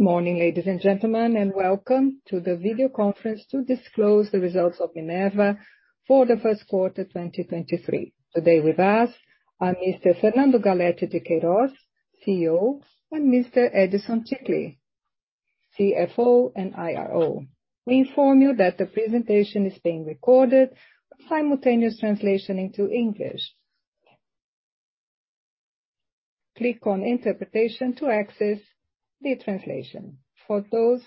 Good morning, ladies and gentlemen, and welcome to the video conference to disclose the results of Minerva for the 1st quarter 2023. Today with us are Mr. Fernando Galletti de Queiroz, CEO, and Mr. Edison Ticle, CFO and IRO. We inform you that the presentation is being recorded with simultaneous translation into English. Click on interpretation to access the translation. For those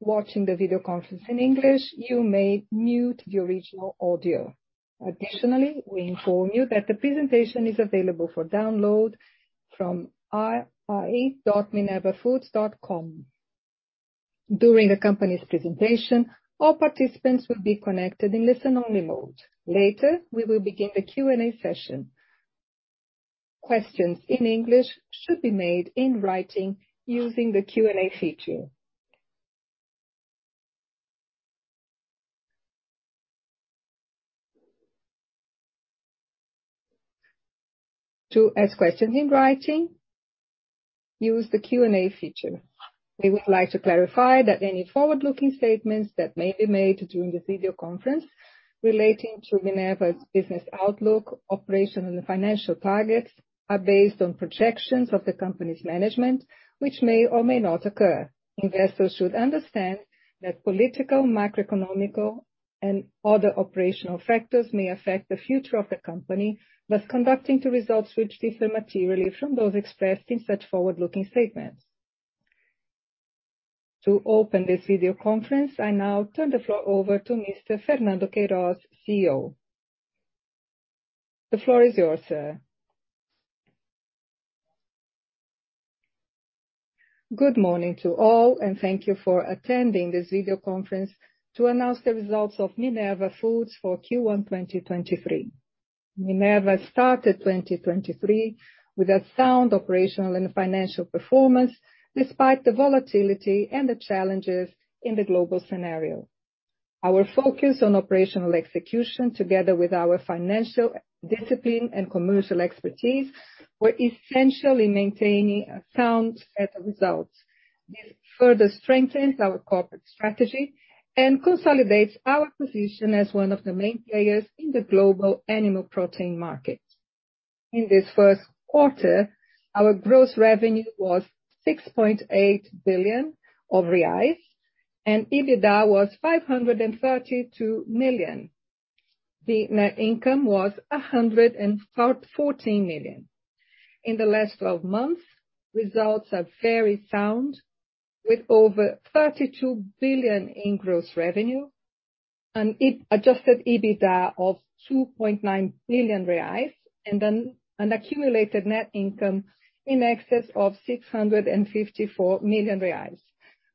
watching the video conference in English, you may mute the original audio. Additionally, we inform you that the presentation is available for download from ri.minervafoods.com. During the company's presentation, all participants will be connected in listen-only mode. Later, we will begin the Q&A session. Questions in English should be made in writing using the Q&A feature. To ask questions in writing, use the Q&A feature. We would like to clarify that any forward-looking statements that may be made during this video conference relating to Minerva's business outlook, operational and financial targets are based on projections of the company's management, which may or may not occur. Investors should understand that political, macroeconomical, and other operational factors may affect the future of the company, thus conducting to results which differ materially from those expressed in such forward-looking statements. To open this video conference, I now turn the floor over to Mr. Fernando Queiroz, CEO. The floor is yours, sir. Good morning to all, thank you for attending this video conference to announce the results of Minerva Foods for Q1 2023. Minerva started 2023 with a sound operational and financial performance despite the volatility and the challenges in the global scenario. Our focus on operational execution, together with our financial discipline and commercial expertise, were essential in maintaining a sound set of results. This further strengthens our corporate strategy and consolidates our position as one of the main players in the global animal protein market. In this first quarter, our gross revenue was 6.8 billion reais, and EBITDA was 532 million. The net income was 114 million. In the last 12 months, results are very sound with over 32 billion in gross revenue, an adjusted EBITDA of 2.9 billion reais, and an accumulated net income in excess of 654 million reais.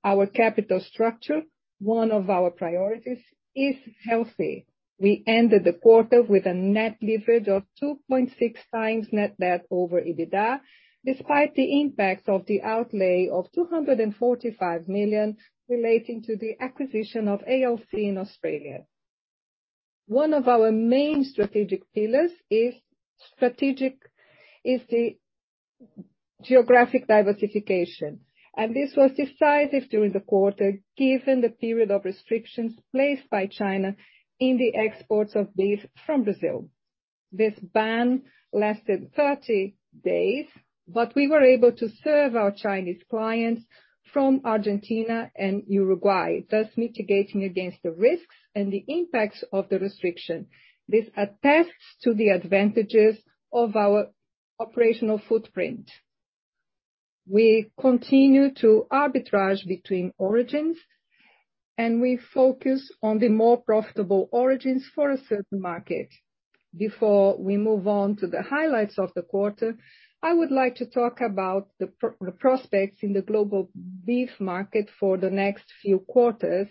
Our capital structure, one of our priorities, is healthy. We ended the quarter with a net leverage of 2.6x net debt over EBITDA, despite the impact of the outlay of 245 million relating to the acquisition of ALC in Australia. One of our main strategic pillars is strategic is the geographic diversification. This was decisive during the quarter, given the period of restrictions placed by China in the export of beef from Brazil. This ban lasted 30 days. We were able to serve our Chinese clients from Argentina and Uruguay, thus mitigating against the risks and the impacts of the restriction. This attests to the advantages of our operational footprint. We continue to arbitrage between origins. We focus on the more profitable origins for a certain market. Before we move on to the highlights of the quarter, I would like to talk about the prospects in the global beef market for the next few quarters,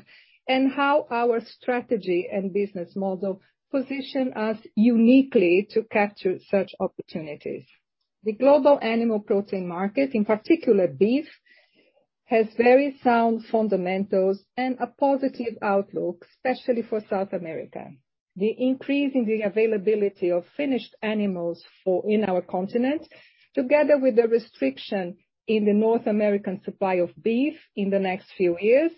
and how our strategy and business model position us uniquely to capture such opportunities. The global animal protein market, in particular beef, has very sound fundamentals and a positive outlook, especially for South America. The increase in the availability of finished animals in our continent, together with the restriction in the North American supply of beef in the next few years,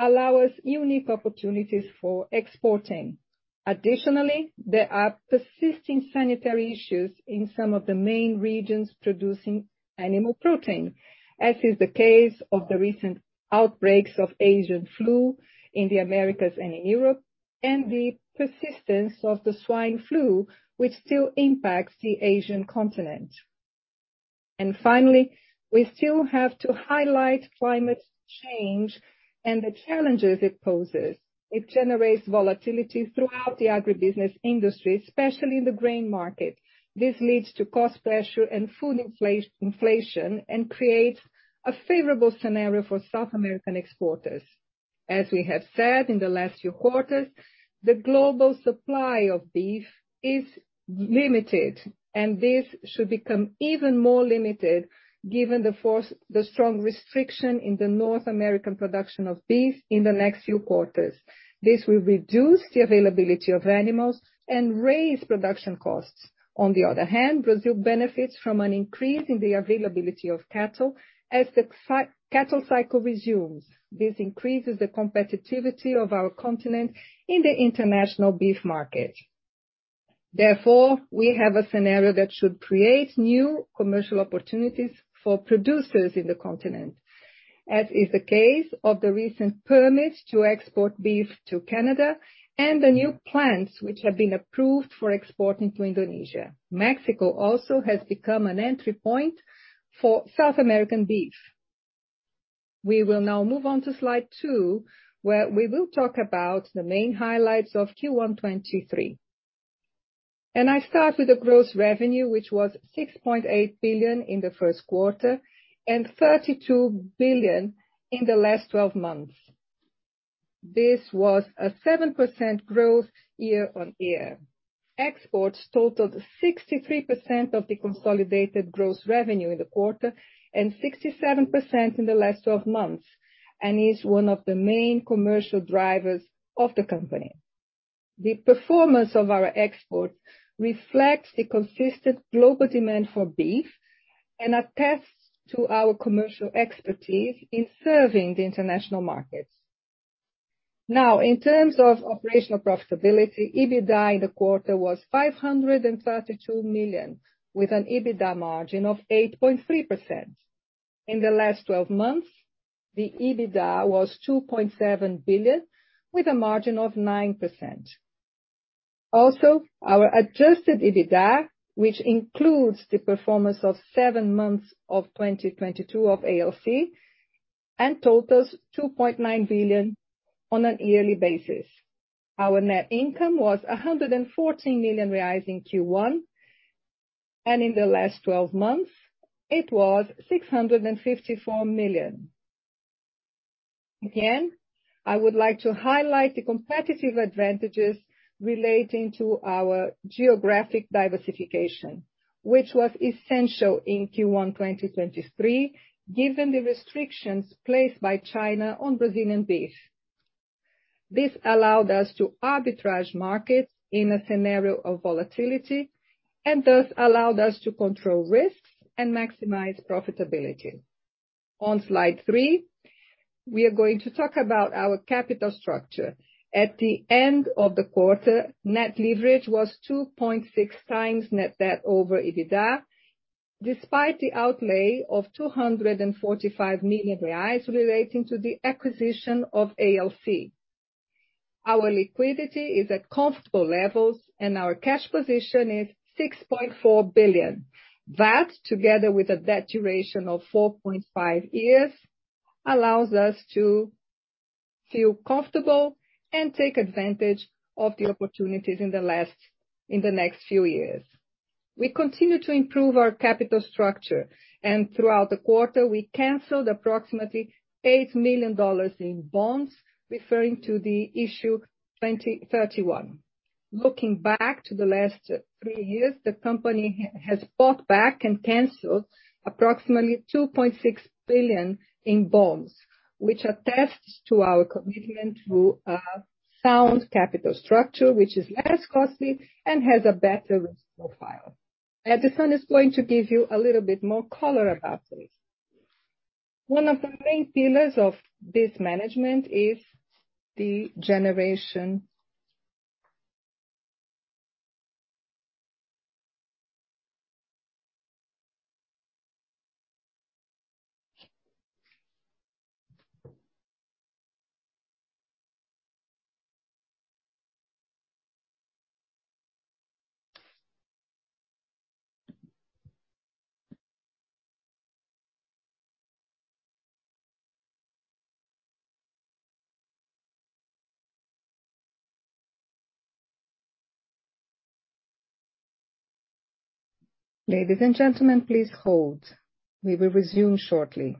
allow us unique opportunities for exporting. There are persisting sanitary issues in some of the main regions producing animal protein, as is the case of the recent outbreaks of avian flu in the Americas and in Europe, and the persistence of the swine flu, which still impacts the Asian continent. Finally, we still have to highlight climate change and the challenges it poses. It generates volatility throughout the agribusiness industry, especially in the grain market. This leads to cost pressure and food inflation and creates a favorable scenario for South American exporters. As we have said in the last few quarters, the global supply of beef is limited, and this should become even more limited given the strong restriction in the North American production of beef in the next few quarters. This will reduce the availability of animals and raise production costs. On the other hand, Brazil benefits from an increase in the availability of cattle as the cattle cycle resumes. This increases the competitiveness of our continent in the international beef market. Therefore, we have a scenario that should create new commercial opportunities for producers in the continent, as is the case of the recent permits to export beef to Canada and the new plants which have been approved for exporting to Indonesia. Mexico also has become an entry point for South American beef. We will now move on to slide two, where we will talk about the main highlights of Q1 2023. I start with the gross revenue, which was 6.8 billion in the first quarter and 32 billion in the last twelve months. This was a 7% growth year-over-year. Exports totaled 63% of the consolidated gross revenue in the quarter and 67% in the last twelve months, and is one of the main commercial drivers of the company. The performance of our exports reflects the consistent global demand for beef and attests to our commercial expertise in serving the international markets. In terms of operational profitability, EBITDA in the quarter was 532 million, with an EBITDA margin of 8.3%. In the last 12 months, the EBITDA was 2.7 billion with a margin of 9%. Our adjusted EBITDA, which includes the performance of seven months of 2022 of ALC and totals 2.9 billion on a yearly basis. Our net income was 114 million reais in Q1, and in the last 12 months it was 654 million. I would like to highlight the competitive advantages relating to our geographic diversification, which was essential in Q1 2023, given the restrictions placed by China on Brazilian beef. This allowed us to arbitrage markets in a scenario of volatility and thus allowed us to control risks and maximize profitability. On slide three, we are going to talk about our capital structure. At the end of the quarter, net leverage was 2.6x net debt over EBITDA, despite the outlay of 245 million reais relating to the acquisition of ALC. Our liquidity is at comfortable levels and our cash position is 6.4 billion. That, together with a debt duration of 4.5 years, allows us to feel comfortable and take advantage of the opportunities in the next few years. We continue to improve our capital structure, and throughout the quarter we canceled approximately $8 million in bonds, referring to the issue 2031. Looking back to the last three years, the company has bought back and canceled approximately $2.6 billion in bonds, which attests to our commitment to a sound capital structure which is less costly and has a better risk profile. Edison is going to give you a little bit more color about this. One of the main pillars of this management is the generation... Ladies and gentlemen, please hold. We will resume shortly.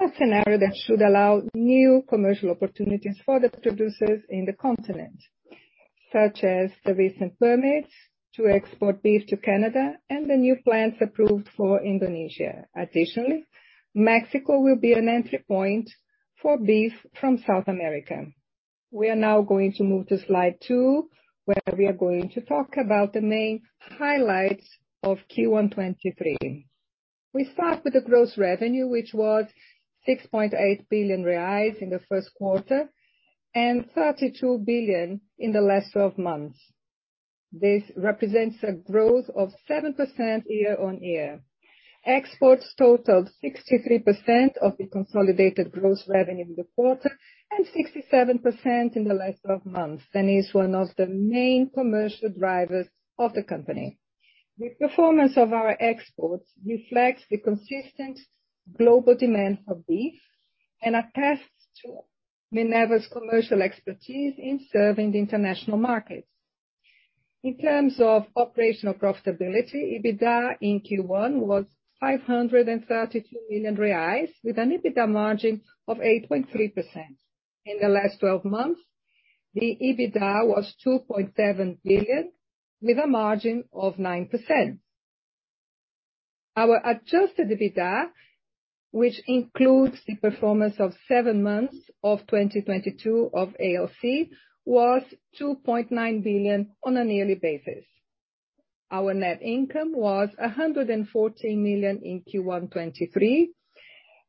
A scenario that should allow new commercial opportunities for the producers in the continent, such as the recent permits to export beef to Canada and the new plants approved for Indonesia. Additionally, Mexico will be an entry point for beef from South America. We are now going to move to slide two, where we are going to talk about the main highlights of Q1 2023. We start with the gross revenue, which was 6.8 billion reais in the first quarter and 32 billion in the last 12 months. This represents a growth of 7% year-over-year. Exports totaled 63% of the consolidated gross revenue in the quarter, and 67% in the last 12 months, is one of the main commercial drivers of the company. The performance of our exports reflects the consistent global demand for beef and attests to Minerva's commercial expertise in serving the international markets. In terms of operational profitability, EBITDA in Q1 was 532 million reais, with an EBITDA margin of 8.3%. In the last 12 months, the EBITDA was 2.7 billion, with a margin of 9%. Our adjusted EBITDA, which includes the performance of seven months of 2022 of ALC, was 2.9 billion on a yearly basis. Our net income was 114 million in Q1 2023,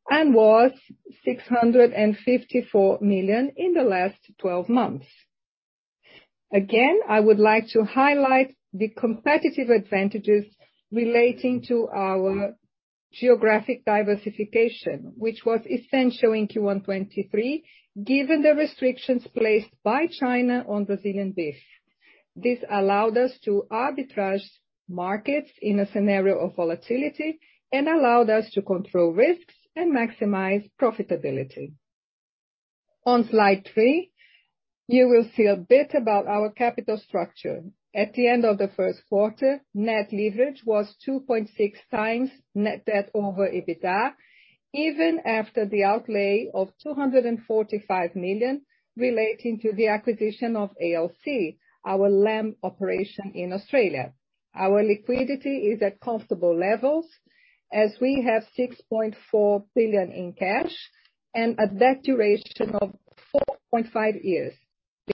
and was 654 million in the last 12 months. I would like to highlight the competitive advantages relating to our geographic diversification, which was essential in Q1 2023, given the restrictions placed by China on Brazilian beef. This allowed us to arbitrage markets in a scenario of volatility and allowed us to control risks and maximize profitability. On slide three, you will see a bit about our capital structure. At the end of the first quarter, net leverage was 2.6x net debt over EBITDA, even after the outlay of 245 million relating to the acquisition of ALC, our lamb operation in Australia. Our liquidity is at comfortable levels, as we have 6.4 billion in cash and a debt duration of 4.5 years.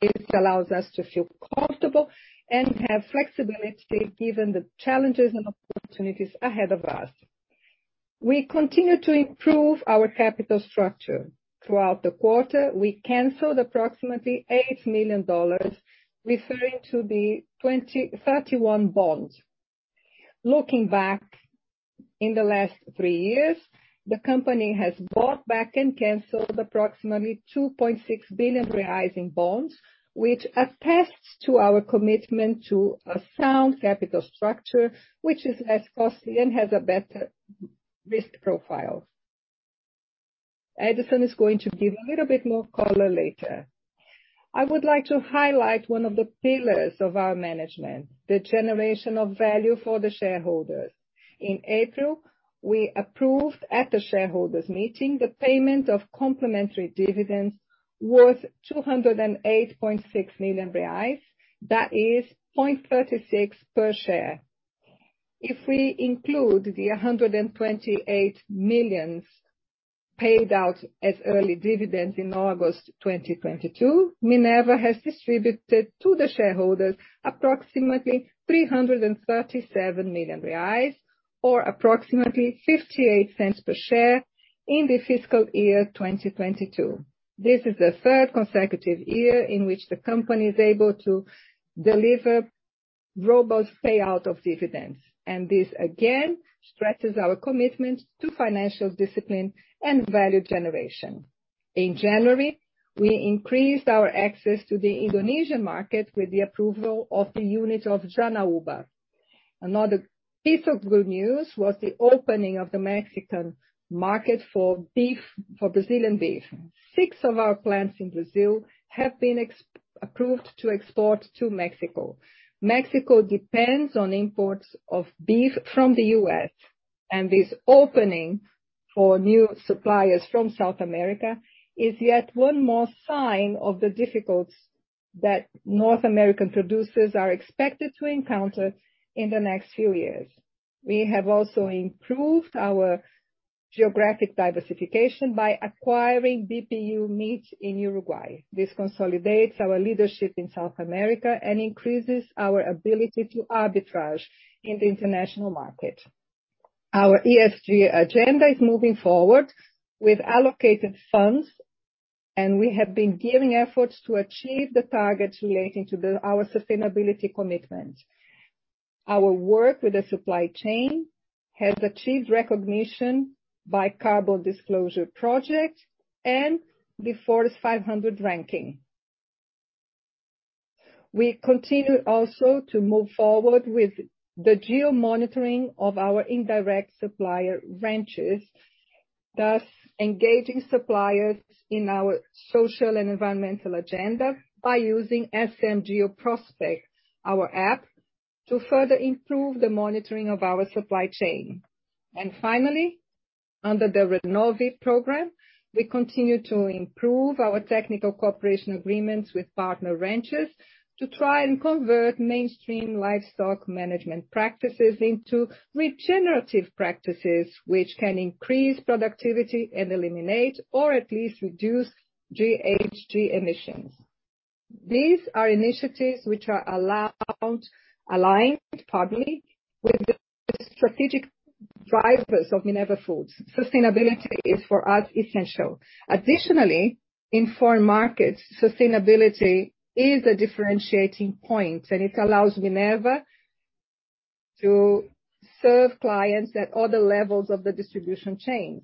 This allows us to feel comfortable and have flexibility given the challenges and opportunities ahead of us. We continue to improve our capital structure. Throughout the quarter, we canceled approximately $8 million, referring to the 2031 bond. Looking back in the last three years, the company has bought back and canceled approximately 2.6 billion reais in bonds, which attests to our commitment to a sound capital structure which is less costly and has a better risk profile. Edison is going to give a little bit more color later. I would like to highlight one of the pillars of our management, the generation of value for the shareholders. In April, we approved at the shareholders meeting the payment of complimentary dividends worth 208.6 million reais, that is 0.36 per share. If we include the 128 million paid out as early dividends in August 2022, Minerva has distributed to the shareholders approximately 337 million reais or approximately 0.58 per share in the fiscal year 2022. This is the third consecutive year in which the company is able to deliver robust payout of dividends, this again stresses our commitment to financial discipline and value generation. In January, we increased our access to the Indonesian market with the approval of the unit of Janauba. Another piece of good news was the opening of the Mexican market for beef, for Brazilian beef. 6 of our plants in Brazil have been approved to export to Mexico. Mexico depends on imports of beef from the US, and this opening for new suppliers from South America is yet one more sign of the difficulties that North American producers are expected to encounter in the next few years. We have also improved our geographic diversification by acquiring BPU Meat in Uruguay. This consolidates our leadership in South America and increases our ability to arbitrage in the international market. Our ESG agenda is moving forward with allocated funds, and we have been giving efforts to achieve the targets relating to our sustainability commitment. Our work with the supply chain has achieved recognition by Carbon Disclosure Project and the Forest 500 ranking. We continue also to move forward with the geo-monitoring of our indirect supplier ranches, thus engaging suppliers in our social and environmental agenda by using SMGeo Prospec, our app, to further improve the monitoring of our supply chain. Finally, under the Renove program, we continue to improve our technical cooperation agreements with partner ranchers to try and convert mainstream livestock management practices into regenerative practices which can increase productivity and eliminate or at least reduce GHG emissions. These are initiatives which are allowed, aligned probably with the strategic drivers of Minerva Foods. Sustainability is for us essential. Additionally, in foreign markets, sustainability is a differentiating point, and it allows Minerva to serve clients at all the levels of the distribution chain.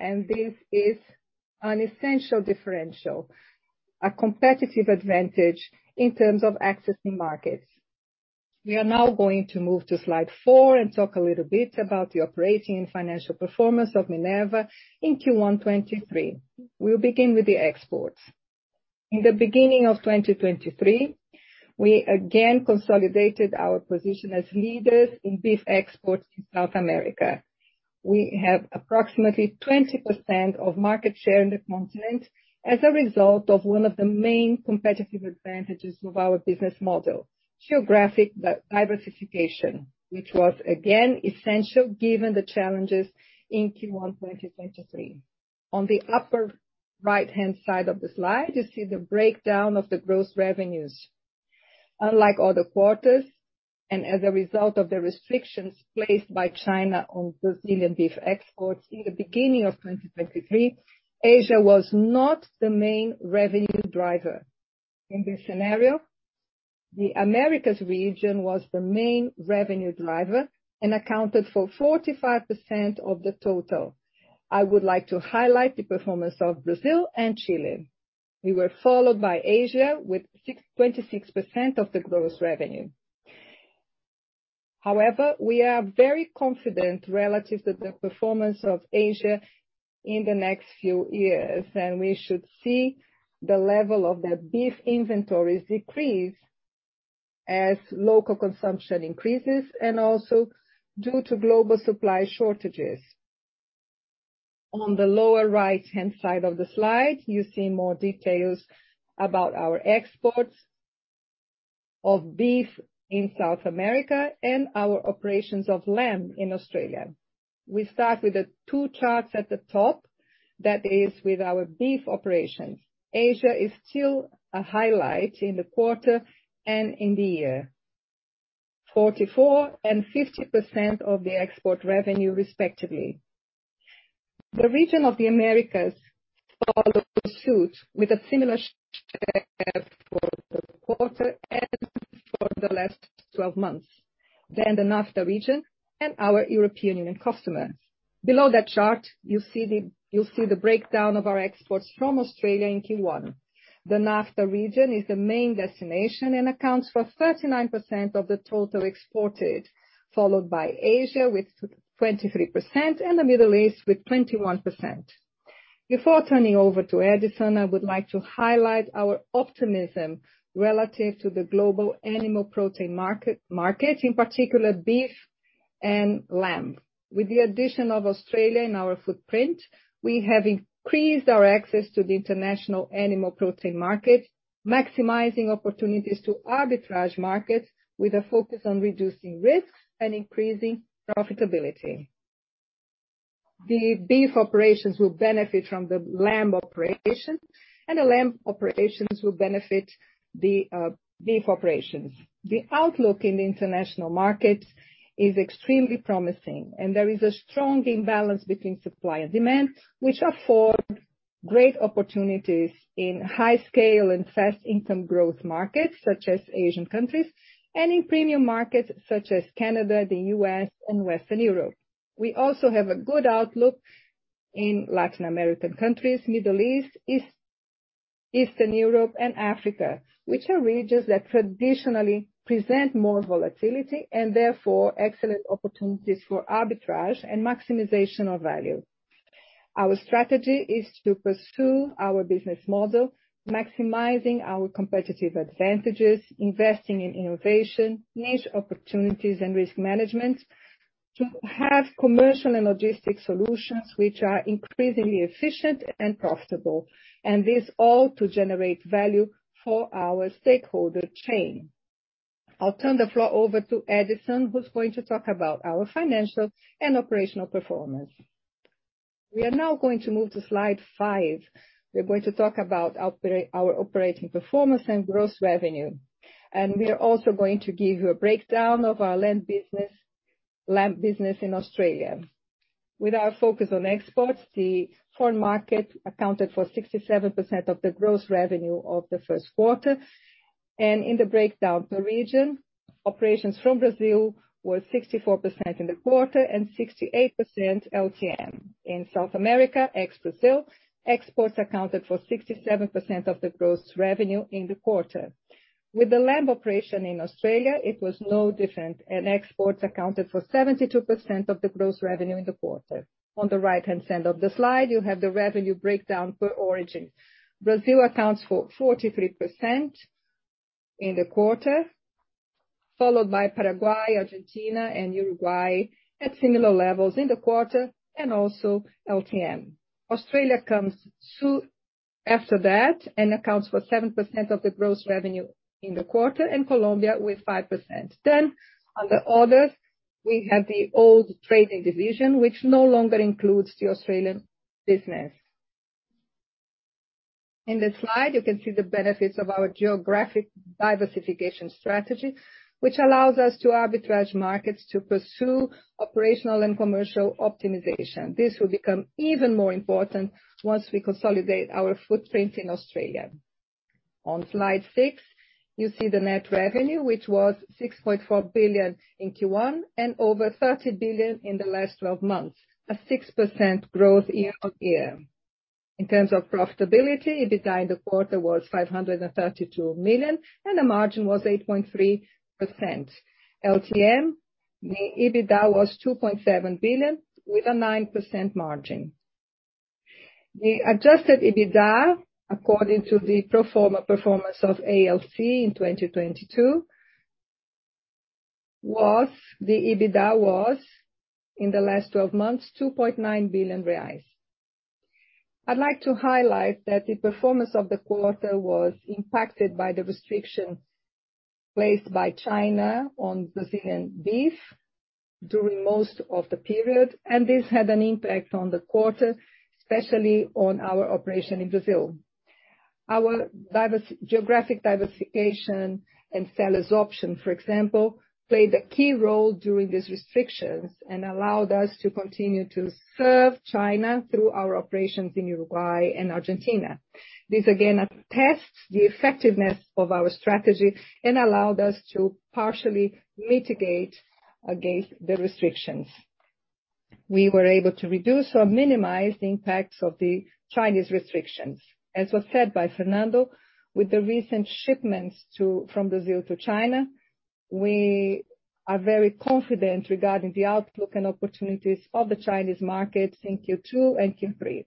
This is an essential differential, a competitive advantage in terms of accessing markets. We are now going to move to slide four and talk a little bit about the operating and financial performance of Minerva in Q1 2023. We'll begin with the exports. In the beginning of 2023, we again consolidated our position as leaders in beef exports to South America. We have approximately 20% of market share in the continent as a result of one of the main competitive advantages of our business model, geographic diversification, which was again essential given the challenges in Q1 2023. On the upper right-hand side of the slide, you see the breakdown of the gross revenues. Unlike other quarters, as a result of the restrictions placed by China on Brazilian beef exports in the beginning of 2023, Asia was not the main revenue driver. In this scenario, the Americas region was the main revenue driver and accounted for 45% of the total. I would like to highlight the performance of Brazil and Chile. We were followed by Asia with 26% of the gross revenue. However, we are very confident relative to the performance of Asia in the next few years, and we should see the level of the beef inventories decrease as local consumption increases and also due to global supply shortages. On the lower right-hand side of the slide, you see more details about our exports of beef in South America and our operations of lamb in Australia. We start with the two charts at the top, that is with our beef operations. Asia is still a highlight in the quarter and in the year. 44% and 50% of the export revenue, respectively. The region of the Americas follow suit with a similar share for the quarter and for the last 12 months. The NAFTA region and our European Union customers. Below that chart, you'll see the breakdown of our exports from Australia in Q1. The NAFTA region is the main destination and accounts for 39% of the total exported, followed by Asia with 23% and the Middle East with 21%. Before turning over to Edison, I would like to highlight our optimism relative to the global animal protein market, in particular beef and lamb. With the addition of Australia in our footprint, we have increased our access to the international animal protein market, maximizing opportunities to arbitrage markets with a focus on reducing risks and increasing profitability. The beef operations will benefit from the lamb operation, and the lamb operations will benefit the beef operations. The outlook in the international markets is extremely promising. There is a strong imbalance between supply and demand, which afford great opportunities in high scale and fast income growth markets such as Asian countries and in premium markets such as Canada, the US, and Western Europe. We also have a good outlook in Latin American countries, Middle East, Eastern Europe and Africa, which are regions that traditionally present more volatility and therefore excellent opportunities for arbitrage and maximization of value. Our strategy is to pursue our business model, maximizing our competitive advantages, investing in innovation, niche opportunities and risk management to have commercial and logistics solutions which are increasingly efficient and profitable. This all to generate value for our stakeholder chain. I'll turn the floor over to Edison, who's going to talk about our financial and operational performance. We are now going to move to slide five. We're going to talk about our operating performance and gross revenue. We are also going to give you a breakdown of our lamb business in Australia. With our focus on exports, the foreign market accounted for 67% of the gross revenue of the first quarter, and in the breakdown per region, operations from Brazil were 64% in the quarter and 68% LTM. In South America, ex-Brazil, exports accounted for 67% of the gross revenue in the quarter. With the lamb operation in Australia, it was no different, and exports accounted for 72% of the gross revenue in the quarter. On the right-hand side of the slide, you have the revenue breakdown per origin. Brazil accounts for 43% in the quarter, followed by Paraguay, Argentina and Uruguay at similar levels in the quarter and also LTM. Australia comes soon after that and accounts for 7% of the gross revenue in the quarter and Colombia with 5%. Under others, we have the old trading division, which no longer includes the Australian operations. In this slide, you can see the benefits of our geographic diversification strategy, which allows us to arbitrage markets to pursue operational and commercial optimization. This will become even more important once we consolidate our footprint in Australia. On slide six, you see the net revenue, which was 6.4 billion in Q1 and over 30 billion in the last twelve months, a 6% growth year-on-year. In terms of profitability, EBITDA in the quarter was 532 million, and the margin was 8.3%. LTM, the EBITDA was 2.7 billion with a 9% margin. The adjusted EBITDA, according to the pro forma performance of ALC in 2022, was the EBITDA in the last twelve months, 2.9 billion reais. I'd like to highlight that the performance of the quarter was impacted by the restrictions placed by China on Brazilian beef during most of the period. This had an impact on the quarter, especially on our operation in Brazil. Our geographic diversification and seller's option, for example, played a key role during these restrictions. Allowed us to continue to serve China through our operations in Uruguay and Argentina. This again attests the effectiveness of our strategy. Allowed us to partially mitigate against the restrictions. We were able to reduce or minimize the impacts of the Chinese restrictions. As was said by Fernando, with the recent shipments from Brazil to China, we are very confident regarding the outlook and opportunities of the Chinese market in Q2 and Q3.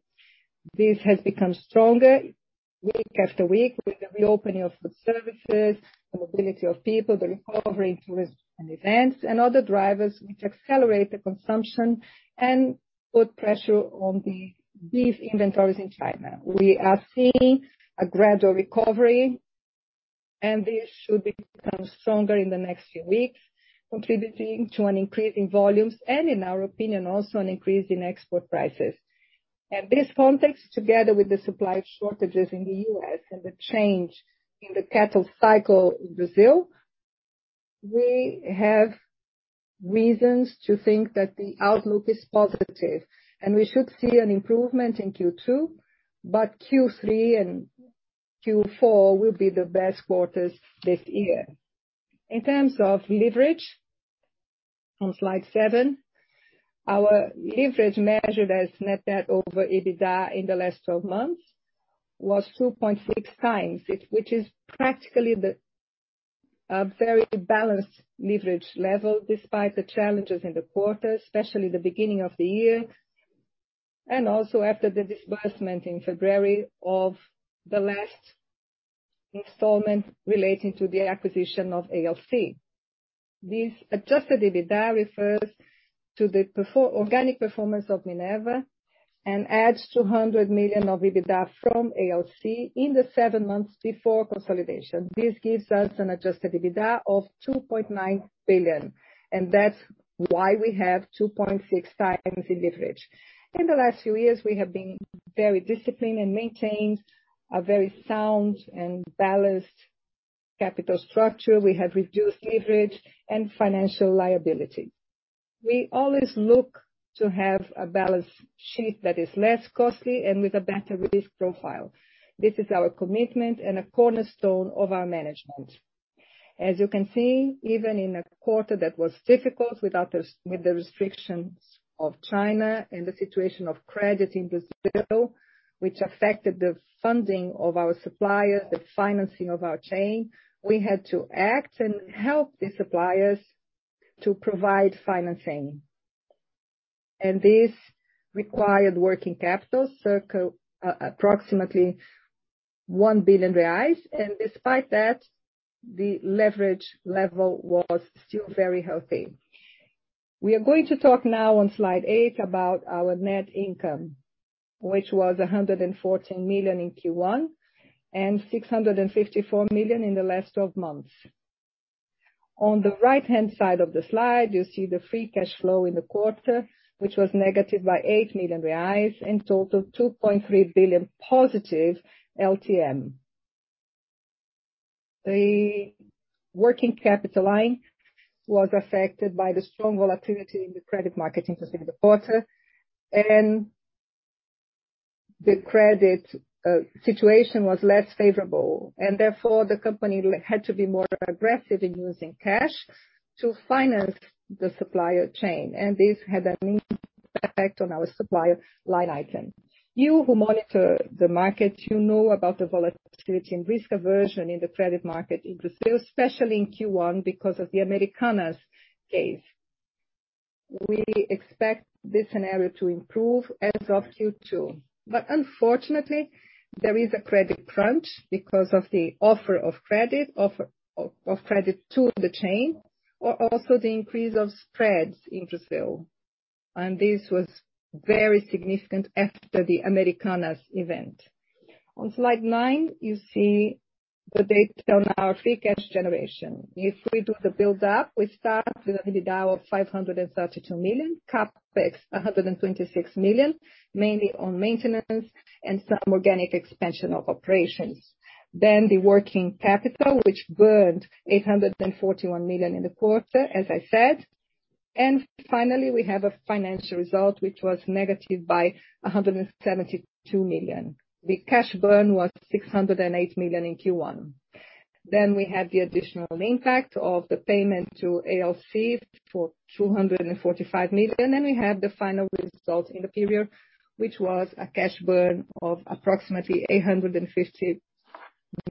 This has become stronger week after week with the reopening of food services, the mobility of people, the recovery in tourism and events, and other drivers which accelerate the consumption and put pressure on the beef inventories in China. We are seeing a gradual recovery, this should become stronger in the next few weeks, contributing to an increase in volumes and, in our opinion, also an increase in export prices. In this context, together with the supply shortages in the US and the change in the cattle cycle in Brazil, we have reasons to think that the outlook is positive and we should see an improvement in Q2. Q3 and Q4 will be the best quarters this year. In terms of leverage, on slide seven, our leverage measured as net debt over EBITDA in the last 12 months was 2.6x, which is practically the very balanced leverage level despite the challenges in the quarter, especially the beginning of the year and also after the disbursement in February of the last installment relating to the acquisition of ALC. This adjusted EBITDA refers to the organic performance of Minerva and adds 200 million of EBITDA from ALC in the seven months before consolidation. This gives us an adjusted EBITDA of 2.9 billion. That's why we have 2.6x in leverage. In the last few years, we have been very disciplined and maintained a very sound and balanced capital structure. We have reduced leverage and financial liability. We always look to have a balance sheet that is less costly and with a better risk profile. This is our commitment and a cornerstone of our management. As you can see, even in a quarter that was difficult without the restrictions of China and the situation of credit in Brazil, which affected the funding of our suppliers, the financing of our chain, we had to act and help the suppliers to provide financing. This required working capital, so it approximately 1 billion reais, and despite that, the leverage level was still very healthy. We are going to talk now on slide eight about our net income, which was 114 million in Q1 and 654 million in the last 12 months. On the right-hand side of the slide, you see the free cash flow in the quarter, which was negative by 8 million reais and total 2.3 billion positive LTM. The working capital line was affected by the strong volatility in the credit market in Brazil in the quarter, and the credit situation was less favorable, and therefore the company had to be more aggressive in using cash to finance the supplier chain, and this had an impact on our supplier line item. You who monitor the market, you know about the volatility and risk aversion in the credit market in Brazil, especially in Q1, because of the Americanas case. We expect this scenario to improve as of Q2. Unfortunately, there is a credit crunch because of the offer of credit to the chain, or also the increase of spreads in Brazil. This was very significant after the Americanas event. On slide nine, you see the data on our free cash generation. If we do the build up, we start with the EBITDA of 532 million, CapEx 126 million, mainly on maintenance and some organic expansion of operations. The working capital, which burned 841 million in the quarter, as I said. Finally, we have a financial result which was negative by 172 million. The cash burn was 608 million in Q1. We had the additional impact of the payment to ALC for 245 million, and we had the final result in the period, which was a cash burn of approximately 850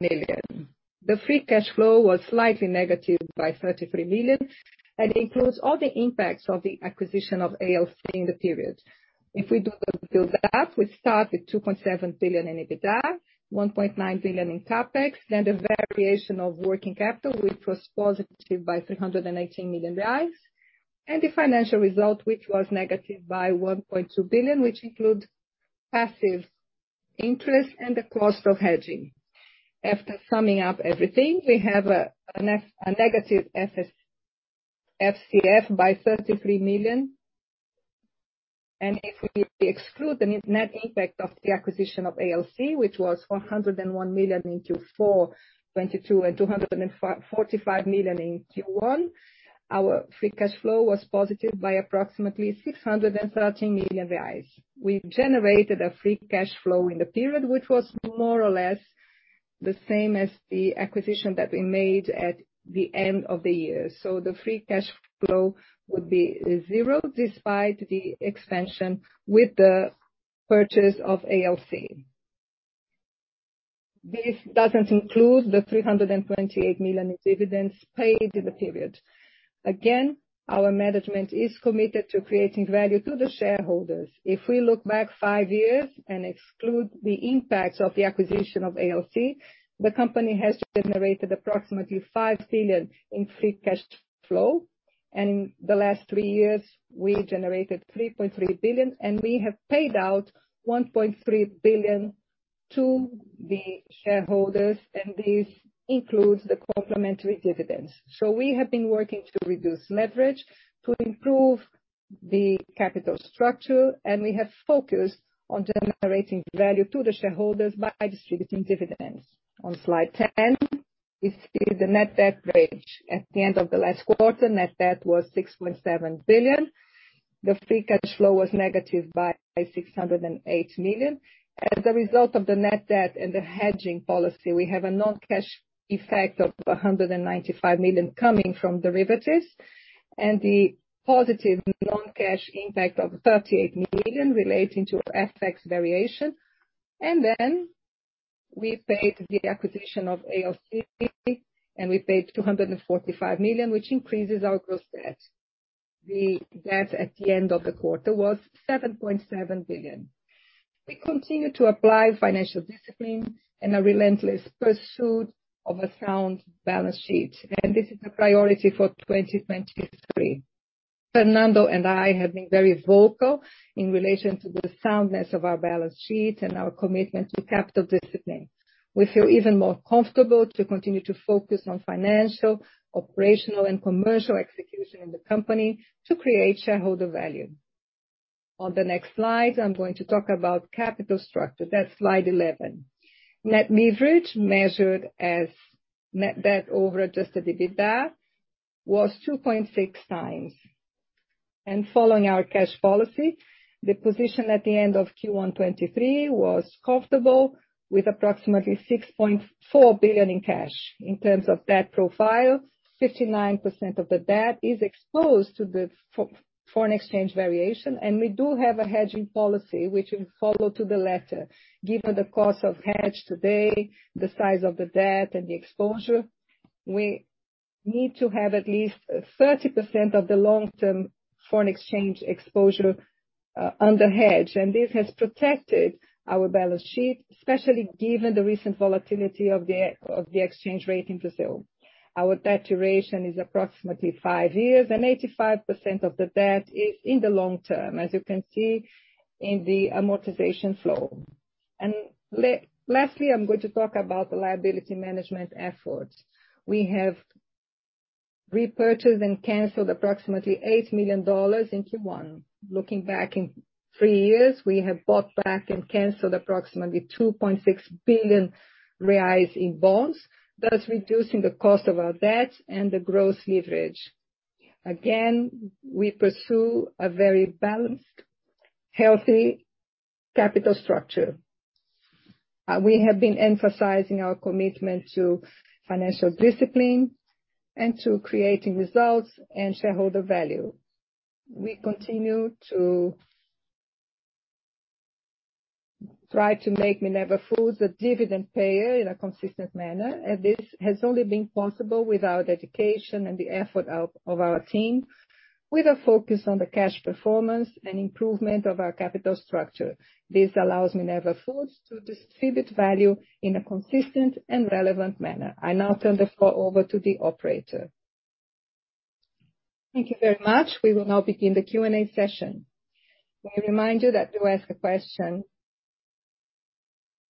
million. The free cash flow was slightly negative by 33 million, and includes all the impacts of the acquisition of ALC in the period. If we do the build-up, we start with 2.7 billion in EBITDA, 1.9 billion in CapEx, then the variation of working capital, which was positive by 318 million reais, and the financial result, which was negative by 1.2 billion, which includes passive interest and the cost of hedging. After summing up everything, we have a negative FCF by 33 million. If we exclude the net impact of the acquisition of ALC, which was 401 million in Q4 2022, and 245 million in Q1, our free cash flow was positive by approximately 630 million reais. We generated a free cash flow in the period, which was more or less the same as the acquisition that we made at the end of the year. The free cash flow would be zero despite the expansion with the purchase of ALC. This doesn't include the 328 million in dividends paid in the period. Again, our management is committed to creating value to the shareholders. If we look back five years and exclude the impacts of the acquisition of ALC, the company has generated approximately 5 billion in free cash flow. In the last three years, we generated 3.3 billion, we have paid out 1.3 billion to the shareholders, this includes the complementary dividends. We have been working to reduce leverage to improve the capital structure, we have focused on generating value to the shareholders by distributing dividends. On slide 10, we see the net debt bridge. At the end of the last quarter, net debt was 6.7 billion. The free cash flow was negative by 608 million. As a result of the net debt and the hedging policy, we have a non-cash effect of 195 million coming from derivatives, the positive non-cash impact of 38 million relating to FX variation. We paid the acquisition of ALC, we paid 245 million, which increases our gross debt. The debt at the end of the quarter was 7.7 billion. We continue to apply financial discipline and a relentless pursuit of a sound balance sheet. This is a priority for 2023. Fernando and I have been very vocal in relation to the soundness of our balance sheet and our commitment to capital discipline. We feel even more comfortable to continue to focus on financial, operational and commercial execution in the company to create shareholder value. On the next slide, I'm going to talk about capital structure. That's slide 11. Net leverage measured as net debt over adjusted EBITDA was 2.6x. Following our cash policy, the position at the end of Q1 2o23 was comfortable with approximately 6.4 billion in cash. In terms of debt profile, 59% of the debt is exposed to the foreign exchange variation, and we do have a hedging policy which we follow to the letter. Given the cost of hedge today, the size of the debt and the exposure, we need to have at least 30% of the long-term foreign exchange exposure under hedge. This has protected our balance sheet, especially given the recent volatility of the exchange rate in Brazil. Our debt duration is approximately five years, and 85% of the debt is in the long term, as you can see in the amortization flow. Lastly, I'm going to talk about the liability management efforts. We have repurchased and canceled approximately $8 million in Q1. Looking back in three years, we have bought back and canceled approximately 2.6 billion reais in bonds, thus reducing the cost of our debt and the gross leverage. Again, we pursue a very balanced, healthy capital structure. We have been emphasizing our commitment to financial discipline and to creating results and shareholder value. We continue to try to make Minerva Foods a dividend payer in a consistent manner. This has only been possible with our dedication and the effort of our team, with a focus on the cash performance and improvement of our capital structure. This allows Minerva Foods to distribute value in a consistent and relevant manner. I now turn the floor over to the operator. Thank you very much. We will now begin the Q&A session. May I remind you that to ask a question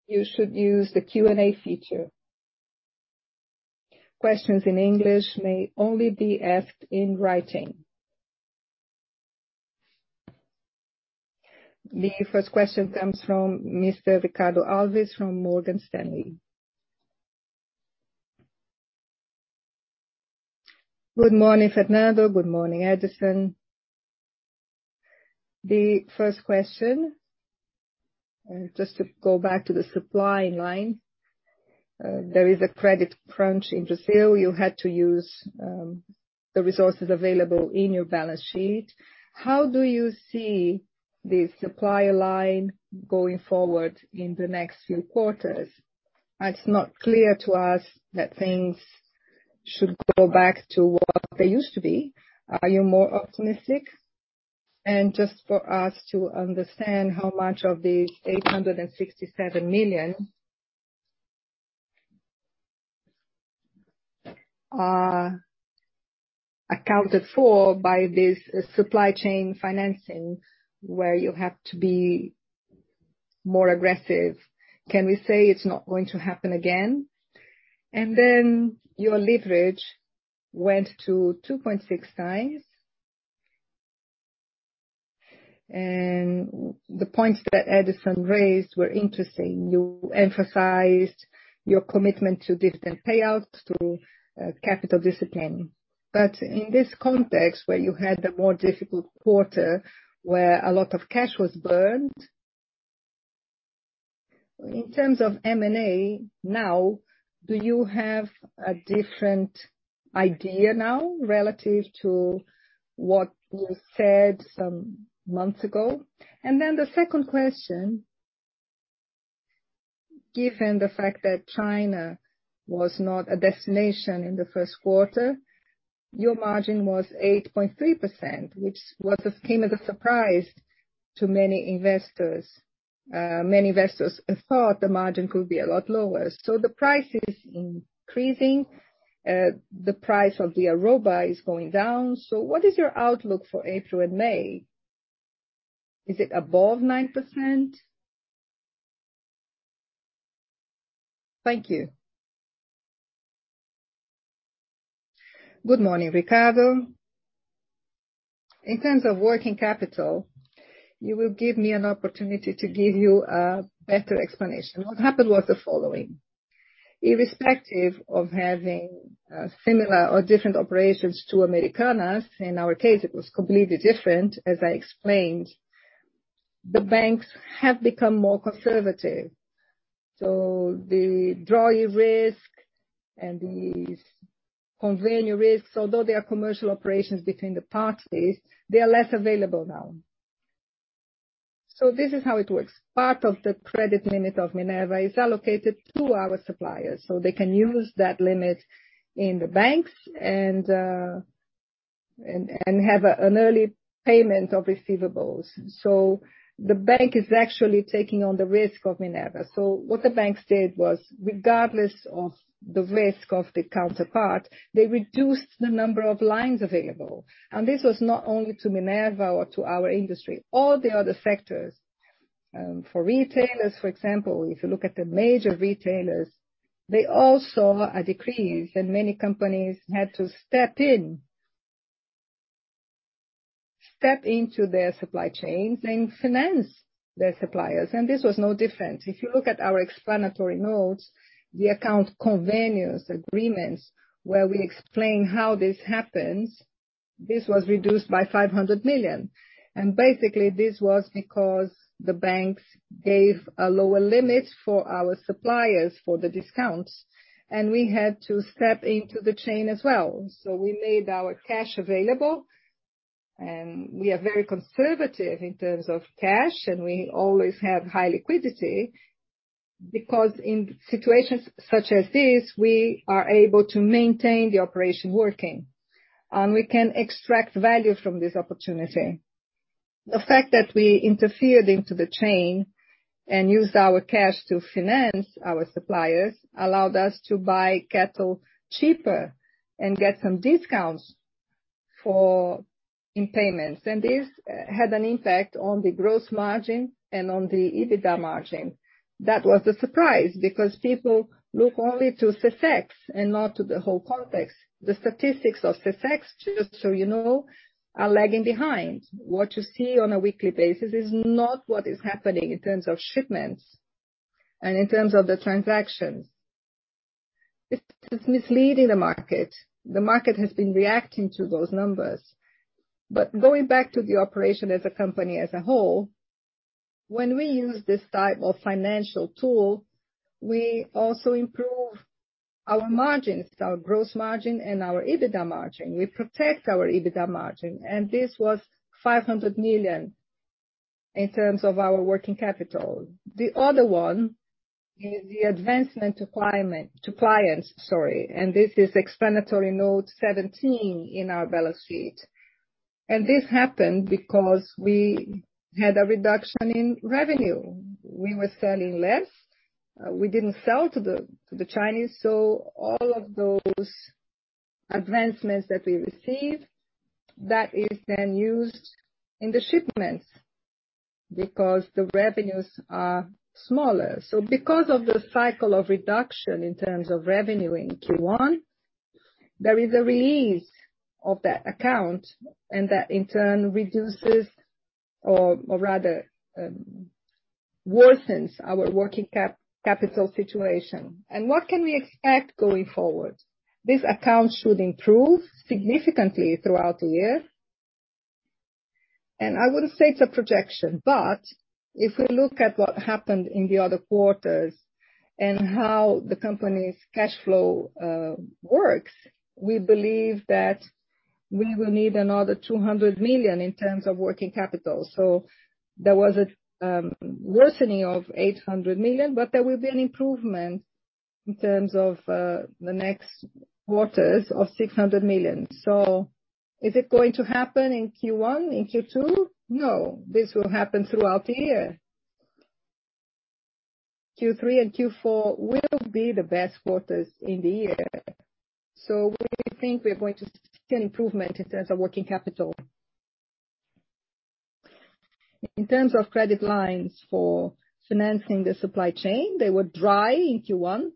you should use the Q&A feature. Questions in English may only be asked in writing. The first question comes from Mr. Ricardo Alves from Morgan Stanley. Good morning, Fernando. Good morning, Edison. The first question, just to go back to the supply line. There is a credit crunch in Brazil. You had to use the resources available in your balance sheet. How do you see the supply line going forward in the next few quarters? It's not clear to us that things should go back to what they used to be. Are you more optimistic? Just for us to understand how much of the 867 million accounted for by this supply chain financing where you have to be more aggressive, can we say it's not going to happen again? Your leverage went to 2.6x. The points that Edison raised were interesting. You emphasized your commitment to different payouts through capital discipline. In this context, where you had a more difficult quarter where a lot of cash was burned, in terms of M&A now, do you have a different idea now relative to what you said some months ago? The second question, given the fact that China was not a destination in the first quarter, your margin was 8.3%, which came as a surprise to many investors. Many investors thought the margin could be a lot lower. The price is increasing. The price of the arroba is going down. What is your outlook for April and May? Is it above 9%? Thank you. Good morning, Ricardo. In terms of working capital, you will give me an opportunity to give you a better explanation. What happened was the following. Irrespective of having similar or different operations to Americanas, in our case it was completely different as I explained. The banks have become more conservative. The drawdown risk and these convening risks, although they are commercial operations between the parties, they are less available now. This is how it works. Part of the credit limit of Minerva is allocated to our suppliers, so they can use that limit in the banks and have an early payment of receivables. The bank is actually taking on the risk of Minerva. What the banks did was, regardless of the risk of the counterpart, they reduced the number of lines available. This was not only to Minerva or to our industry. All the other sectors, for retailers, for example, if you look at the major retailers, they all saw a decrease, and many companies had to step into their supply chains and finance their suppliers. This was no different. If you look at our explanatory notes, the convenience agreements where we explain how this happens, this was reduced by 500 million. Basically this was because the banks gave a lower limit for our suppliers for the discounts, and we had to step into the chain as well. We made our cash available, and we are very conservative in terms of cash, and we always have high liquidity because in situations such as this we are able to maintain the operation working and we can extract value from this opportunity. The fact that we interfered into the chain and used our cash to finance our suppliers allowed us to buy cattle cheaper and get some discounts for in payments. This had an impact on the gross margin and on the EBITDA margin. That was a surprise because people look only to CEPEA and not to the whole context. The statistics of CEPEA, just so you know, are lagging behind. What you see on a weekly basis is not what is happening in terms of shipments and in terms of the transactions. This is misleading the market. The market has been reacting to those numbers. Going back to the operation as a company as a whole, when we use this type of financial tool, we also improve our margins, our gross margin and our EBITDA margin. We protect our EBITDA margin. This was 500 million in terms of our working capital. The other one is the advancement to clients, sorry. This is explanatory note 17 in our balance sheet. This happened because we had a reduction in revenue. We were selling less. We didn't sell to the, to the Chinese. All of those advancements that we received, that is then used in the shipments because the revenues are smaller. Because of the cycle of reduction in terms of revenue in Q1, there is a release of that account and that in turn reduces or rather, worsens our working capital situation. What can we expect going forward? This account should improve significantly throughout the year. I wouldn't say it's a projection, but if we look at what happened in the other quarters and how the company's cash flow works, we believe that we will need another 200 million in terms of working capital. There was a worsening of 800 million, but there will be an improvement in terms of the next quarters of 600 million. Is it going to happen in Q1, in Q2? No, this will happen throughout the year. Q3 and Q4 will be the best quarters in the year. We think we're going to see an improvement in terms of working capital. In terms of credit lines for financing the supply chain, they were dry in Q1.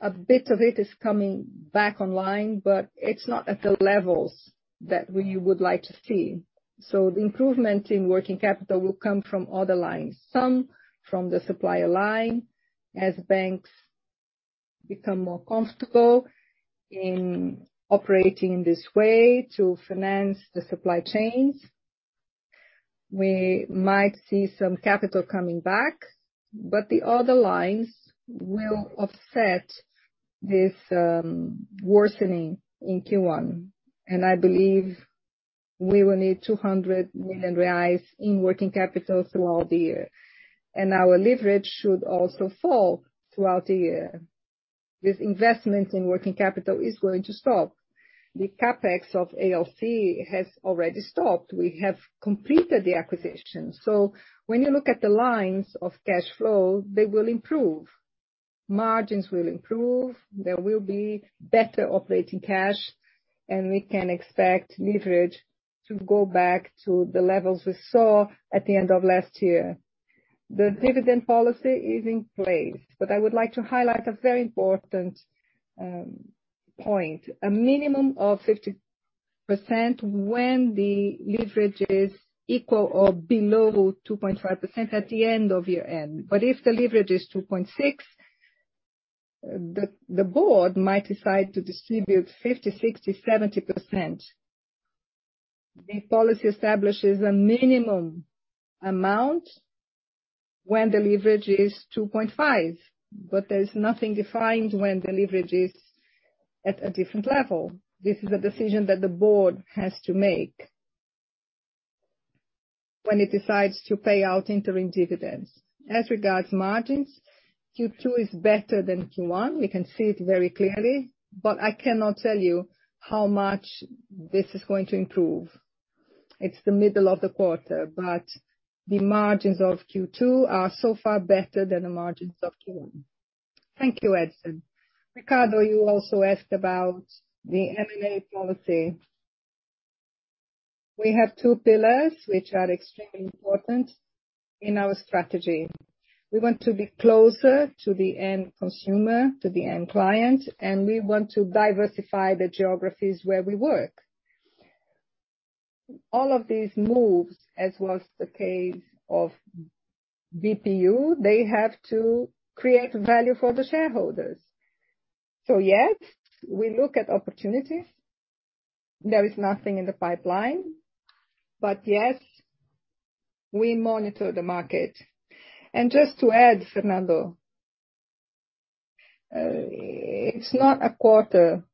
A bit of it is coming back online, but it's not at the levels that we would like to see. The improvement in working capital will come from other lines. Some from the supplier line as banks become more comfortable in operating in this way to finance the supply chains. We might see some capital coming back, but the other lines will offset this worsening in Q1. I believe we will need 200 million reais in working capital throughout the year. Our leverage should also fall throughout the year. This investment in working capital is going to stop. The CapEx of ALC has already stopped. We have completed the acquisition. When you look at the lines of cash flow, they will improve. Margins will improve. There will be better operating cash, and we can expect leverage to go back to the levels we saw at the end of last year. The dividend policy is in place, but I would like to highlight a very important point. A minimum of 50% when the leverage is equal or below 2.5% at the end of year end. If the leverage is 2.6, the board might decide to distribute 50%, 60%, 70%. The policy establishes a minimum amount when the leverage is 2.5, but there's nothing defined when the leverage is at a different level. This is a decision that the board has to make when it decides to pay out interim dividends. As regards margins, Q2 is better than Q1. We can see it very clearly, but I cannot tell you how much this is going to improve. It's the middle of the quarter, but the margins of Q2 are so far better than the margins of Q1. Thank you, Edison. Ricardo, you also asked about the M&A policy. We have two pillars which are extremely important in our strategy. We want to be closer to the end consumer, to the end client, and we want to diversify the geographies where we work. All of these moves, as was the case of BPU, they have to create value for the shareholders. Yes, we look at opportunities. There is nothing in the pipeline, but yes, we monitor the market. Just to add, Fernando, it's not because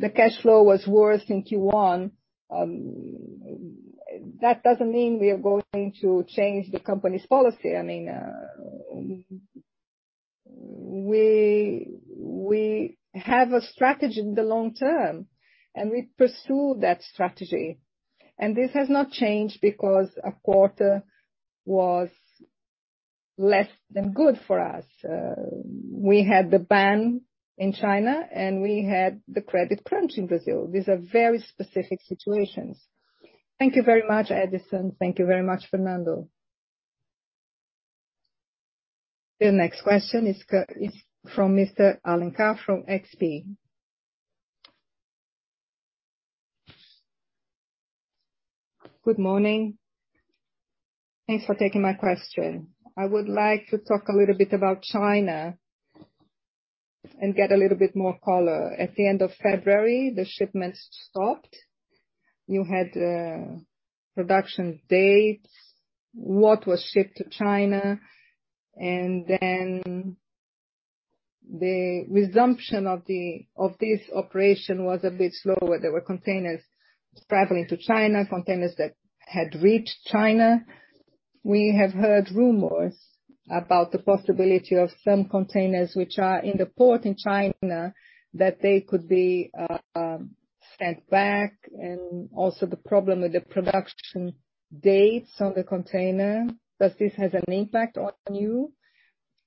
the cash flow was worse in Q1, that doesn't mean we are going to change the company's policy. I mean, we have a strategy in the long term, and we pursue that strategy. This has not changed because a quarter was less than good for us. We had the ban in China, and we had the credit crunch in Brazil. These are very specific situations. Thank you very much, Edison. Thank you very much, Fernando. The next question is from Mr. Alencar from XP. Good morning. Thanks for taking my question. I would like to talk a little bit about China and get a little bit more color. At the end of February, the shipments stopped. You had production dates, what was shipped to China, and then the resumption of this operation was a bit slower. There were containers traveling to China, containers that had reached China. We have heard rumors about the possibility of some containers which are in the port in China, that they could be sent back, and also the problem with the production dates on the container. Does this has an impact on you?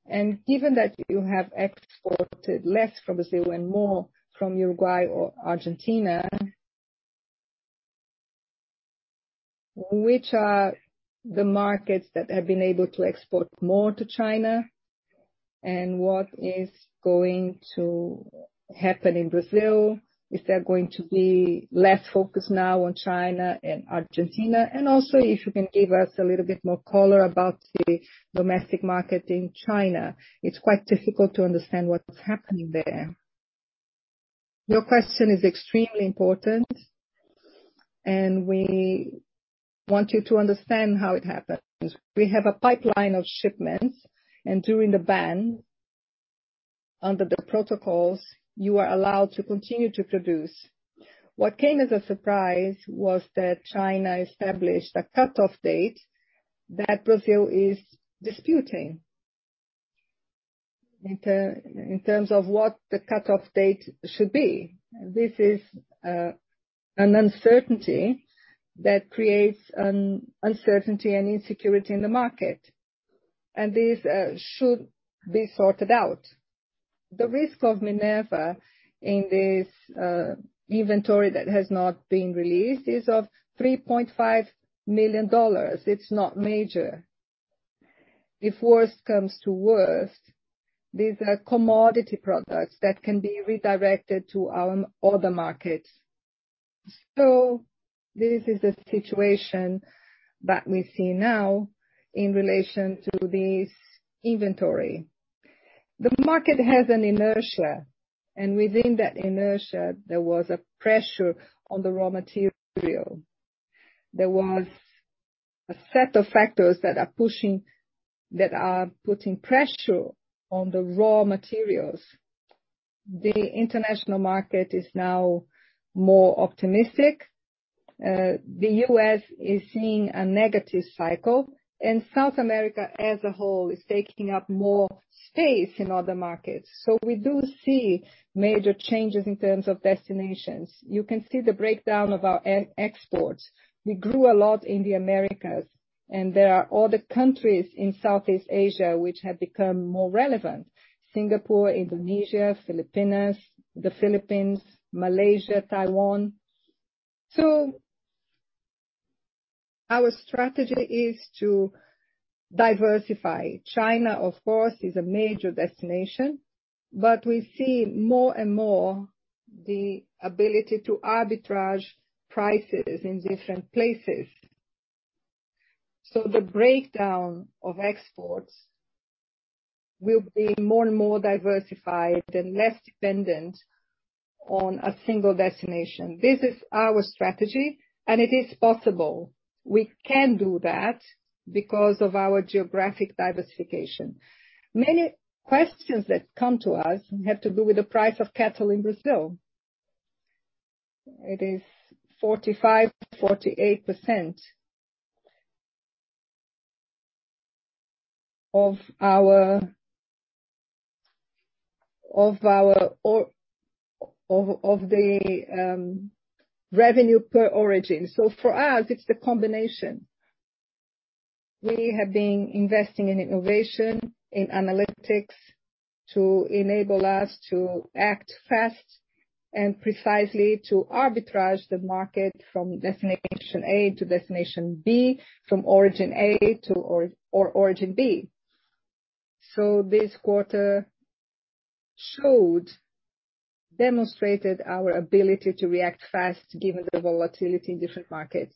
Given that you have exported less from Brazil and more from Uruguay or Argentina, which are the markets that have been able to export more to China? What is going to happen in Brazil? Is there going to be less focus now on China and Argentina? Also, if you can give us a little bit more color about the domestic market in China. It's quite difficult to understand what's happening there. Your question is extremely important, and we want you to understand how it happens. We have a pipeline of shipments. During the ban, under the protocols, you are allowed to continue to produce. What came as a surprise was that China established a cut-off date that Brazil is disputing in terms of what the cut-off date should be. This is an uncertainty that creates uncertainty and insecurity in the market. This should be sorted out. The risk of Minerva in this inventory that has not been released is of $3.5 million. It's not major. If worse comes to worst, these are commodity products that can be redirected to our other markets. This is the situation that we see now in relation to this inventory. The market has an inertia. Within that inertia, there was a pressure on the raw material. There was a set of factors that are putting pressure on the raw materials. The international market is now more optimistic. The US is seeing a negative cycle, and South America as a whole is taking up more space in other markets. We do see major changes in terms of destinations. You can see the breakdown of our e-exports. We grew a lot in the Americas, and there are other countries in Southeast Asia which have become more relevant: Singapore, Indonesia, the Philippines, Malaysia, Taiwan. Our strategy is to diversify. China, of course, is a major destination, but we see more and more the ability to arbitrage prices in different places. The breakdown of exports will be more and more diversified and less dependent on a single destination. This is our strategy, and it is possible. We can do that because of our geographic diversification. Many questions that come to us have to do with the price of cattle in Brazil. It is 45%-48% of the revenue per origin. For us, it's the combination. We have been investing in innovation, in analytics to enable us to act fast and precisely to arbitrage the market from destination A to destination B, from origin A to origin B. This quarter showed, demonstrated our ability to react fast given the volatility in different markets.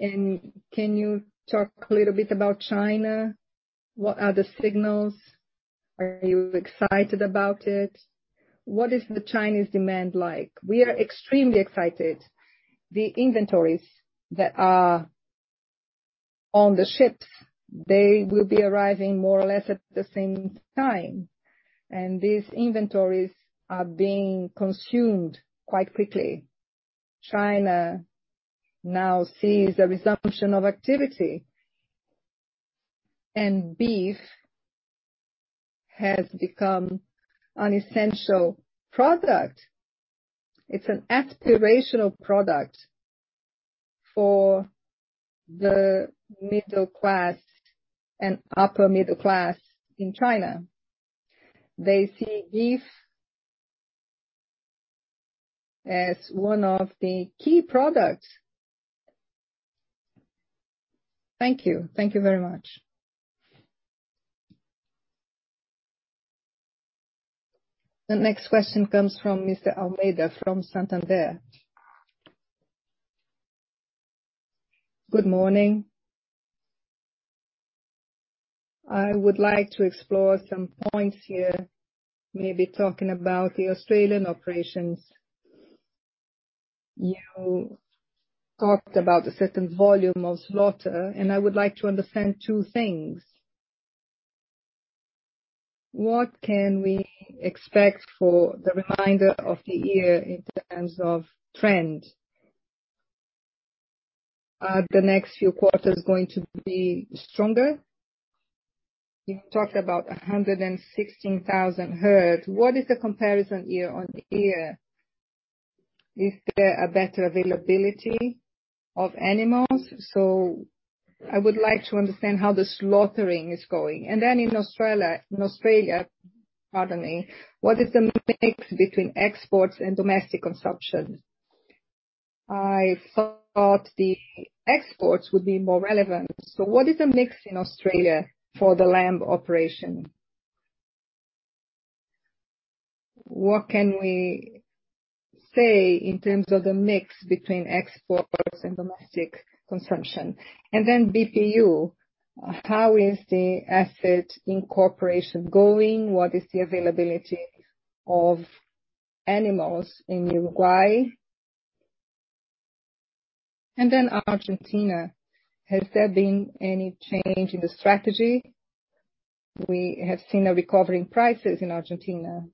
Can you talk a little bit about China? What are the signals? Are you excited about it? What is the Chinese demand like? We are extremely excited. The inventories that are on the ships, they will be arriving more or less at the same time, and these inventories are being consumed quite quickly. China now sees a resumption of activity, and beef has become an essential product. It's an aspirational product for the middle class and upper middle class in China. They see beef as one of the key products. Thank you. Thank you very much. The next question comes from Mr. Almeida from Santander. Good morning. I would like to explore some points here, maybe talking about the Australian operations. You talked about a certain volume of slaughter, and I would like to understand 2 things. What can we expect for the remainder of the year in terms of trend? Are the next few quarters going to be stronger? You talked about 116,000 herd. What is the comparison year-on-year? Is there a better availability of animals? I would like to understand how the slaughtering is going. In Australia, pardon me, what is the mix between exports and domestic consumption? I thought the exports would be more relevant. What is the mix in Australia for the lamb operation? What can we say in terms of the mix between exports and domestic consumption? BPU, how is the asset incorporation going? What is the availability of animals in Uruguay? Argentina, has there been any change in the strategy? We have seen a recovery in prices in Argentina.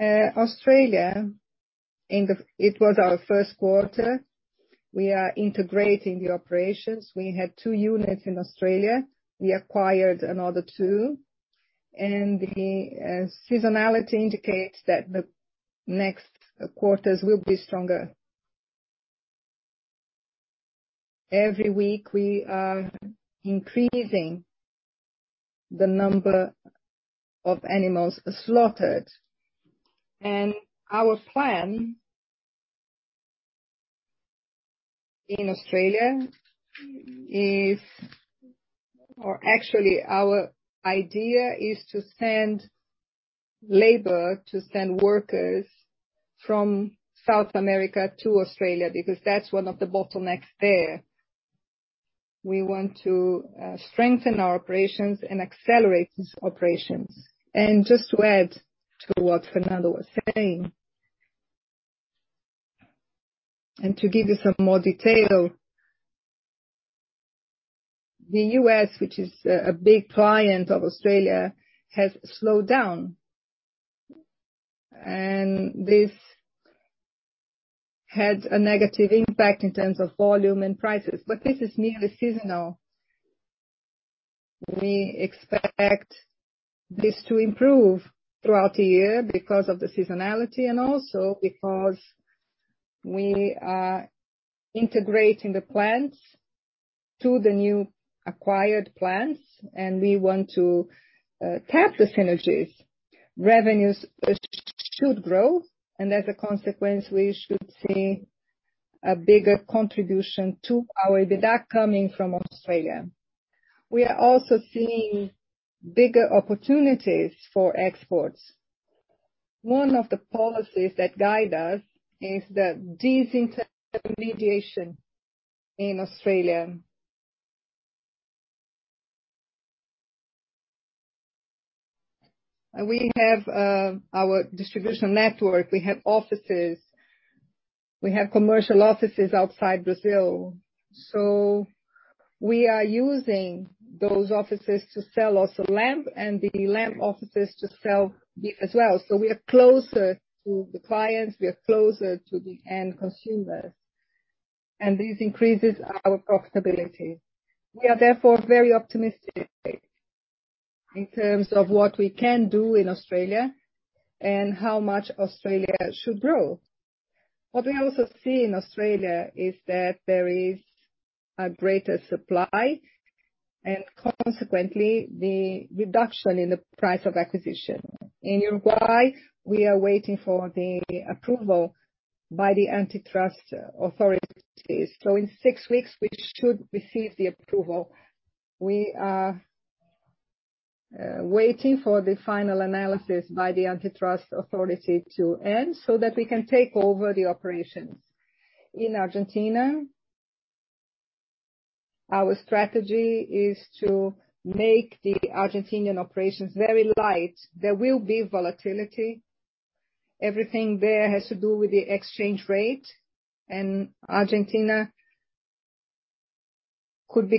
Australia, it was our first quarter. We are integrating the operations. We had two units in Australia. We acquired another two, and the seasonality indicates that the next quarters will be stronger. Every week we are increasing the number of animals slaughtered. Our plan in Australia is actually our idea is to send labor, to send workers from South America to Australia, because that's one of the bottlenecks there. We want to strengthen our operations and accelerate these operations. Just to add to what Fernando was saying, and to give you some more detail. The U.S., which is a big client of Australia, has slowed down and this had a negative impact in terms of volume and prices. This is merely seasonal. We expect this to improve throughout the year because of the seasonality and also because we are integrating the plants to the new acquired plants, and we want to tap the synergies. Revenues should grow, and as a consequence, we should see a bigger contribution to our EBITDA coming from Australia. We are also seeing bigger opportunities for exports. One of the policies that guide us is the disintermediation in Australia. We have our distribution network, we have offices, we have commercial offices outside Brazil. We are using those offices to sell also lamb and the lamb offices to sell as well. We are closer to the clients, we are closer to the end consumers, and this increases our profitability. We are therefore very optimistic in terms of what we can do in Australia and how much Australia should grow. What we also see in Australia is that there is a greater supply and consequently, the reduction in the price of acquisition. In Uruguay, we are waiting for the approval by the antitrust authorities. In six weeks we should receive the approval. We are waiting for the final analysis by the antitrust authority to end so that we can take over the operations. In Argentina, our strategy is to make the Argentinian operations very light. There will be volatility. Everything there has to do with the exchange rate. Argentina could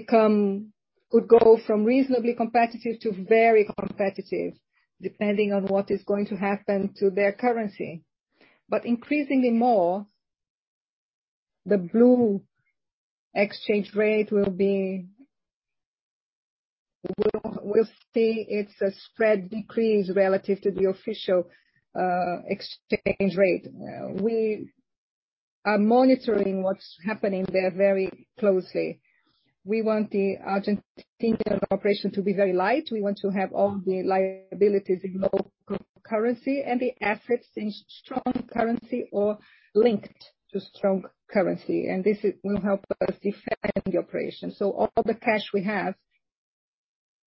go from reasonably competitive to very competitive, depending on what is going to happen to their currency. Increasingly more, the blue exchange rate we'll see its spread decrease relative to the official exchange rate. We are monitoring what's happening there very closely. We want the Argentinian operation to be very light. We want to have all the liabilities in local currency and the assets in strong currency or linked to strong currency. This will help us defend the operation. All the cash we have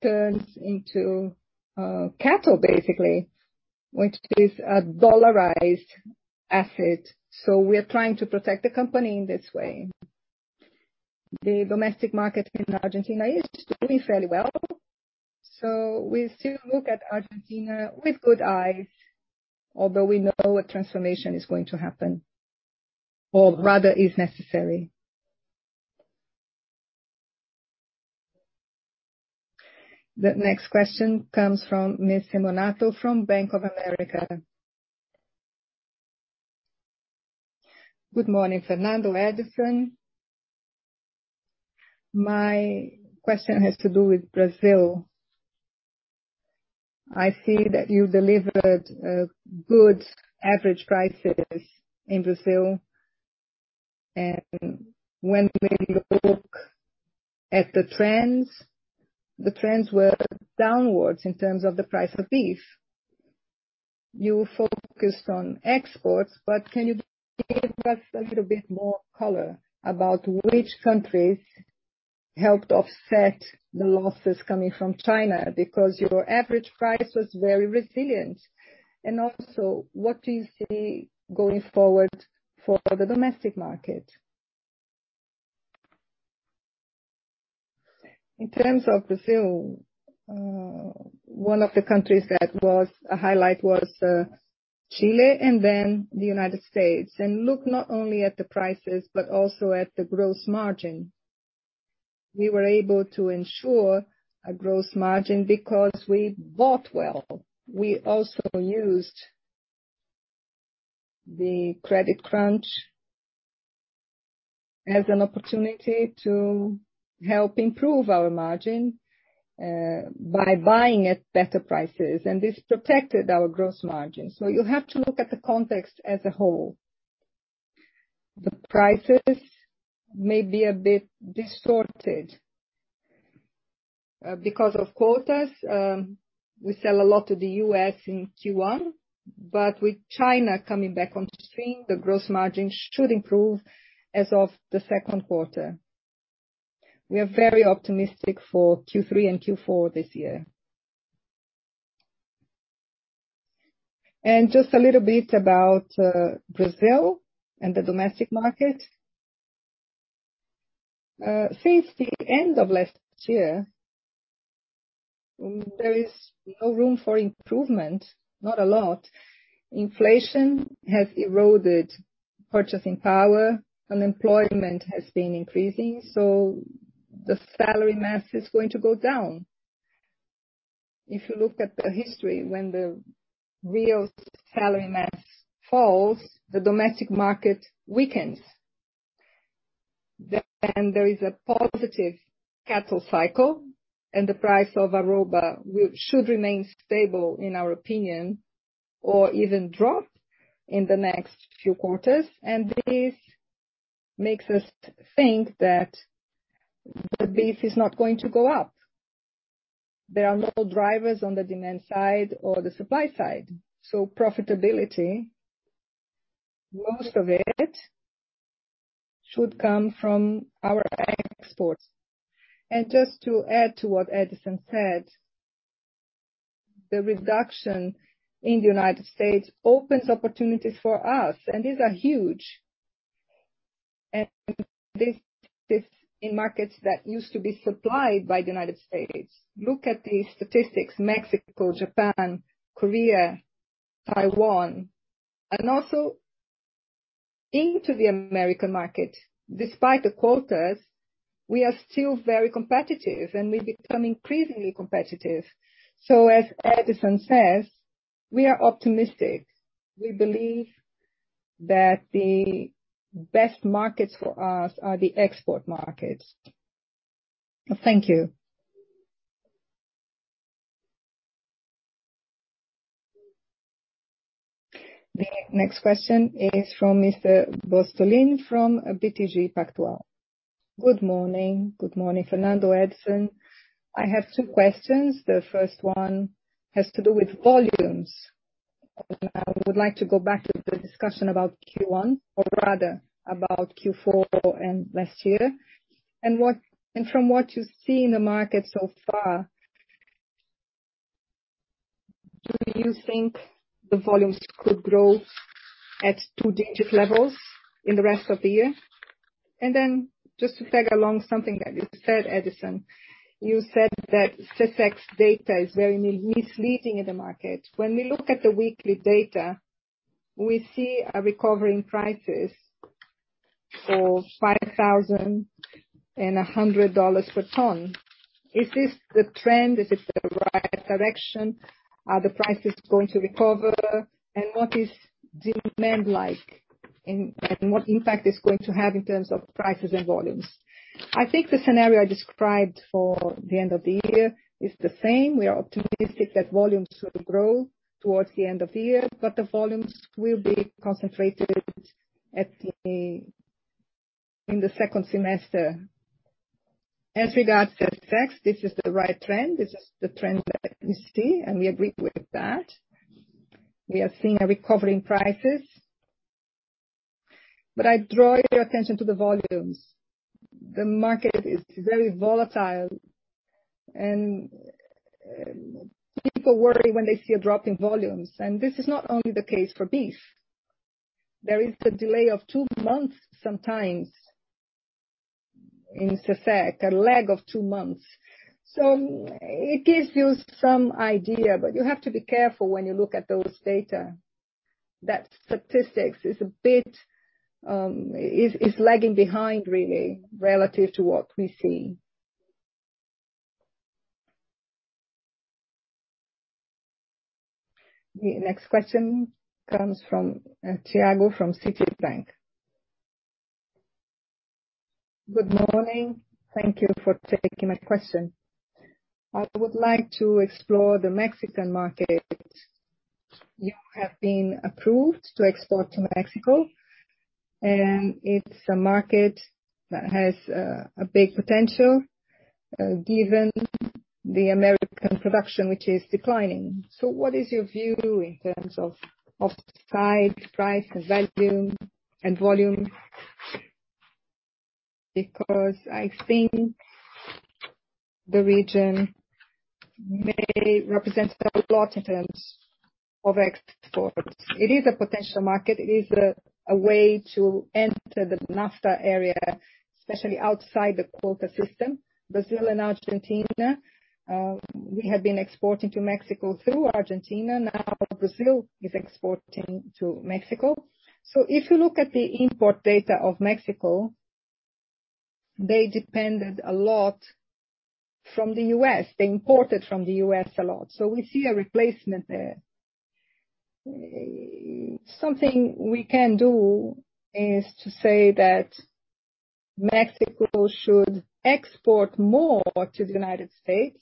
turns into cattle basically, which is a dollarized asset. We are trying to protect the company in this way. The domestic market in Argentina is doing fairly well, so we still look at Argentina with good eyes, although we know a transformation is going to happen. Or rather is necessary. The next question comes from Ms. Simonato from Bank of America. Good morning, Fernando, Edison. My question has to do with Brazil. I see that you delivered good average prices in Brazil. When we look at the trends, the trends were downwards in terms of the price of beef. You focused on exports, but can you give us a little bit more color about which countries helped offset the losses coming from China? Your average price was very resilient. What do you see going forward for the domestic market? In terms of Brazil, one of the countries that was a highlight was Chile and then the United States. Look not only at the prices but also at the gross margin. We were able to ensure a gross margin because we bought well. We also used the credit crunch as an opportunity to help improve our margin by buying at better prices, and this protected our gross margin. You have to look at the context as a whole. The prices may be a bit distorted because of quotas. We sell a lot to the US in Q1. With China coming back on stream, the gross margin should improve as of the second quarter. We are very optimistic for Q3 and Q4 this year. Just a little bit about Brazil and the domestic market. Since the end of last year, there is no room for improvement, not a lot. Inflation has eroded purchasing power. Unemployment has been increasing, so the salary mass is going to go down. If you look at the history, when the real salary mass falls, the domestic market weakens. There is a positive cattle cycle and the price of arroba should remain stable, in our opinion, or even drop in the next few quarters. This makes us think that the beef is not going to go up. There are no drivers on the demand side or the supply side, so profitability, most of it should come from our exports. Just to add to what Edison said, the reduction in the United States opens opportunities for us, and these are huge. This is in markets that used to be supplied by the United States. Look at the statistics: Mexico, Japan, Korea, Taiwan. Also into the American market. Despite the quotas, we are still very competitive, and we become increasingly competitive. As Edison says, we are optimistic. We believe that the best markets for us are the export markets. Thank you. The next question is from Mr. Brustolin from BTG Pactual. Good morning. Good morning, Fernando, Edison. I have two questions. The first one has to do with volumes. I would like to go back to the discussion about Q1, or rather about Q4 and last year. From what you see in the market so far, do you think the volumes could grow at two-digit levels in the rest of the year? Just to tag along something that you said, Edison, you said that Secex data is very misleading in the market. When we look at the weekly data, we see a recovery in prices for $5,100 per ton. Is this the trend? Is this the right direction? Are the prices going to recover? What is demand like and what impact it's going to have in terms of prices and volumes? I think the scenario described for the end of the year is the same. We are optimistic that volumes will grow towards the end of the year, but the volumes will be concentrated in the second semester. Regards to Secex, this is the right trend. This is the trend that we see, and we agree with that. We are seeing a recovery in prices. I draw your attention to the volumes. The market is very volatile and people worry when they see a drop in volumes. This is not only the case for beef. There is a delay of two months sometimes. In effect, a lag of two months. It gives you some idea, but you have to be careful when you look at those data. That statistics is a bit. Is lagging behind really relative to what we see. The next question comes from Thiago from Citibank. Good morning. Thank you for taking my question. I would like to explore the Mexican market. You have been approved to export to Mexico, and it's a market that has a big potential, given the American production, which is declining. What is your view in terms of price and volume? Because I think the region may represent a lot in terms of exports. It is a potential market. It is a way to enter the NAFTA area, especially outside the quota system. Brazil and Argentina, we have been exporting to Mexico through Argentina, now Brazil is exporting to Mexico. If you look at the import data of Mexico, they depended a lot from the U.S. They imported from the U.S. a lot, we see a replacement there. Something we can do is to say that Mexico should export more to the United States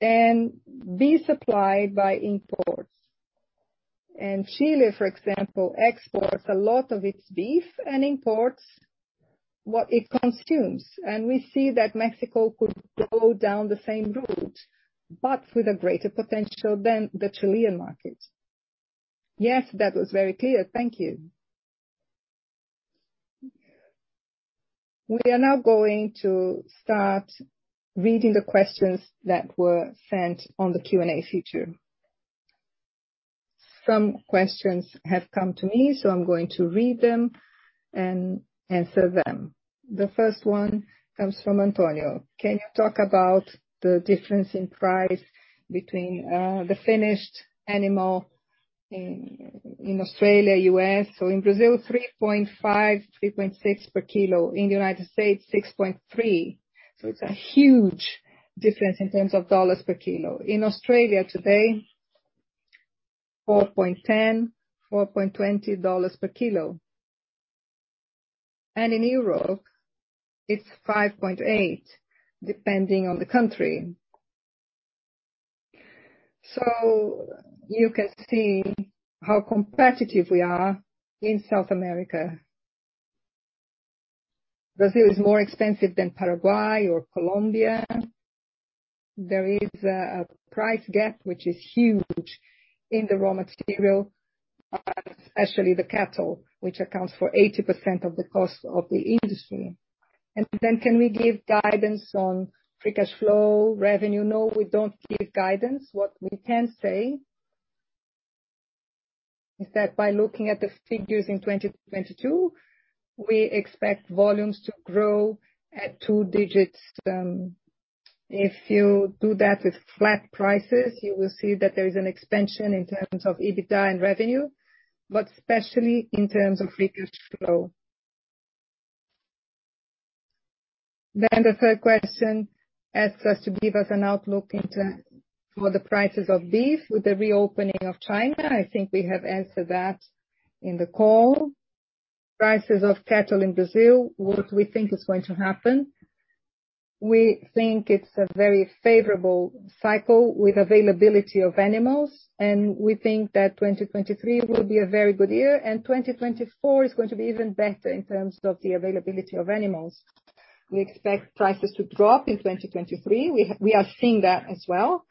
and be supplied by imports. Chile, for example, exports a lot of its beef and imports what it consumes. We see that Mexico could go down the same route, but with a greater potential than the Chilean market. Yes, that was very clear. Thank you. We are now going to start reading the questions that were sent on the Q&A feature. Some questions have come to me, so I'm going to read them and answer them. The first one comes from Antonio. Can you talk about the difference in price between the finished animal in Australia, US? In Brazil, 3.5-3.6 per kilo. In the United States, $6.3. It's a huge difference in terms of dollars per kilo. In Australia today, AUD 4.10-4.20 per kilo. In Europe it's 5.8, depending on the country. You can see how competitive we are in South America. Brazil is more expensive than Paraguay or Colombia. There is a price gap which is huge in the raw material, especially the cattle, which accounts for 80% of the cost of the industry. Can we give guidance on free cash flow, revenue? No, we don't give guidance. What we can say is that by looking at the figures in 2022, we expect volumes to grow at two digits. If you do that with flat prices, you will see that there is an expansion in terms of EBITDA and revenue, but especially in terms of free cash flow. The third question asks us to give us an outlook for the prices of beef with the reopening of China. I think we have answered that in the call. Prices of cattle in Brazil, what we think is going to happen. We think it's a very favorable cycle with availability of animals. We think that 2023 will be a very good year, and 2024 is going to be even better in terms of the availability of animals. We expect prices to drop in 2023. We are seeing that as well.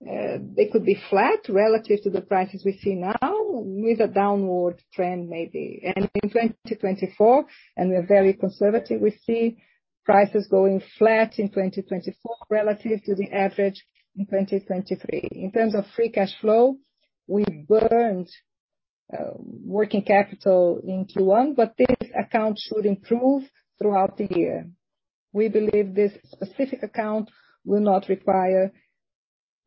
They could be flat relative to the prices we see now with a downward trend maybe. In 2024, and we're very conservative, we see prices going flat in 2024 relative to the average in 2023. In terms of free cash flow, we burned working capital in Q1, but this account should improve throughout the year. We believe this specific account will not require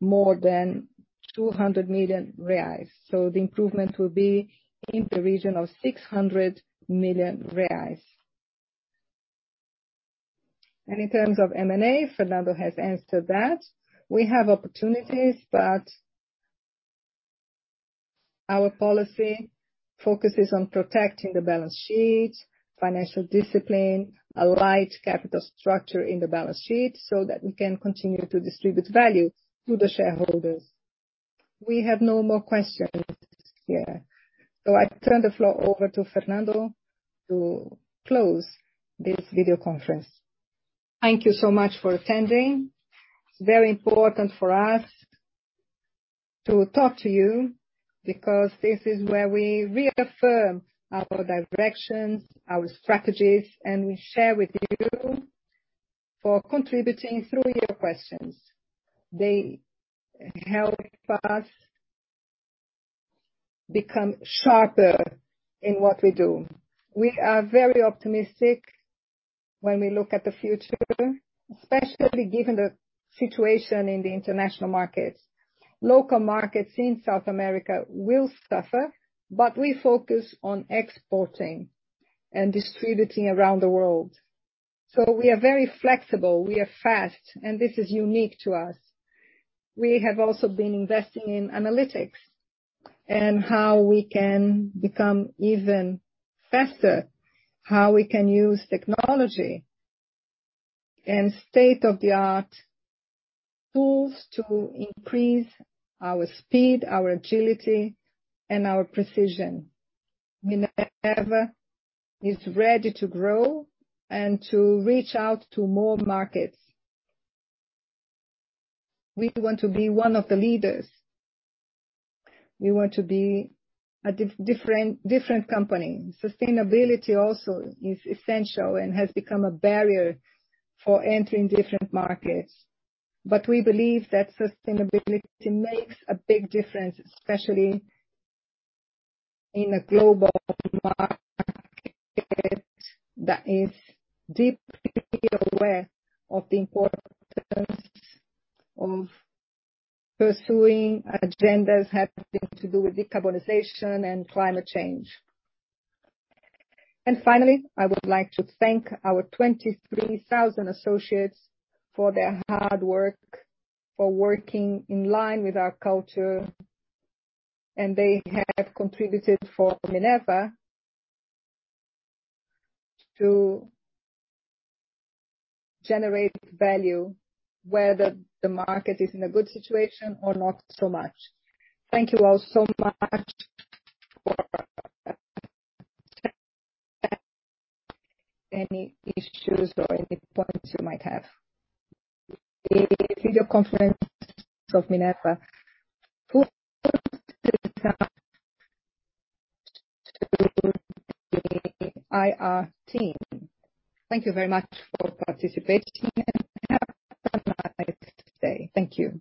more than 200 million reais. The improvement will be in the region of 600 million reais. In terms of M&A, Fernando has answered that. We have opportunities, but our policy focuses on protecting the balance sheet, financial discipline, a light capital structure in the balance sheet, so that we can continue to distribute value to the shareholders. We have no more questions here. I turn the floor over to Fernando to close this video conference. Thank you so much for attending. It's very important for us to talk to you because this is where we reaffirm our directions, our strategies, and we share with you for contributing through your questions. They help us become sharper in what we do. We are very optimistic when we look at the future, especially given the situation in the international markets. Local markets in South America will suffer, but we focus on exporting and distributing around the world. We are very flexible, we are fast, and this is unique to us. We have also been investing in analytics and how we can become even faster, how we can use technology and state-of-the-art tools to increase our speed, our agility, and our precision. Minerva is ready to grow and to reach out to more markets. We want to be one of the leaders. We want to be a different company. Sustainability also is essential and has become a barrier for entering different markets. We believe that sustainability makes a big difference, especially in a global market that is deeply aware of the importance of pursuing agendas having to do with decarbonization and climate change. Finally, I would like to thank our 23,000 associates for their hard work, for working in line with our culture. They have contributed for Minerva to generate value whether the market is in a good situation or not so much. Thank you all so much for any issues or any points you might have. The video conference of Minerva IR team. Thank you very much for participating and have a nice day. Thank you.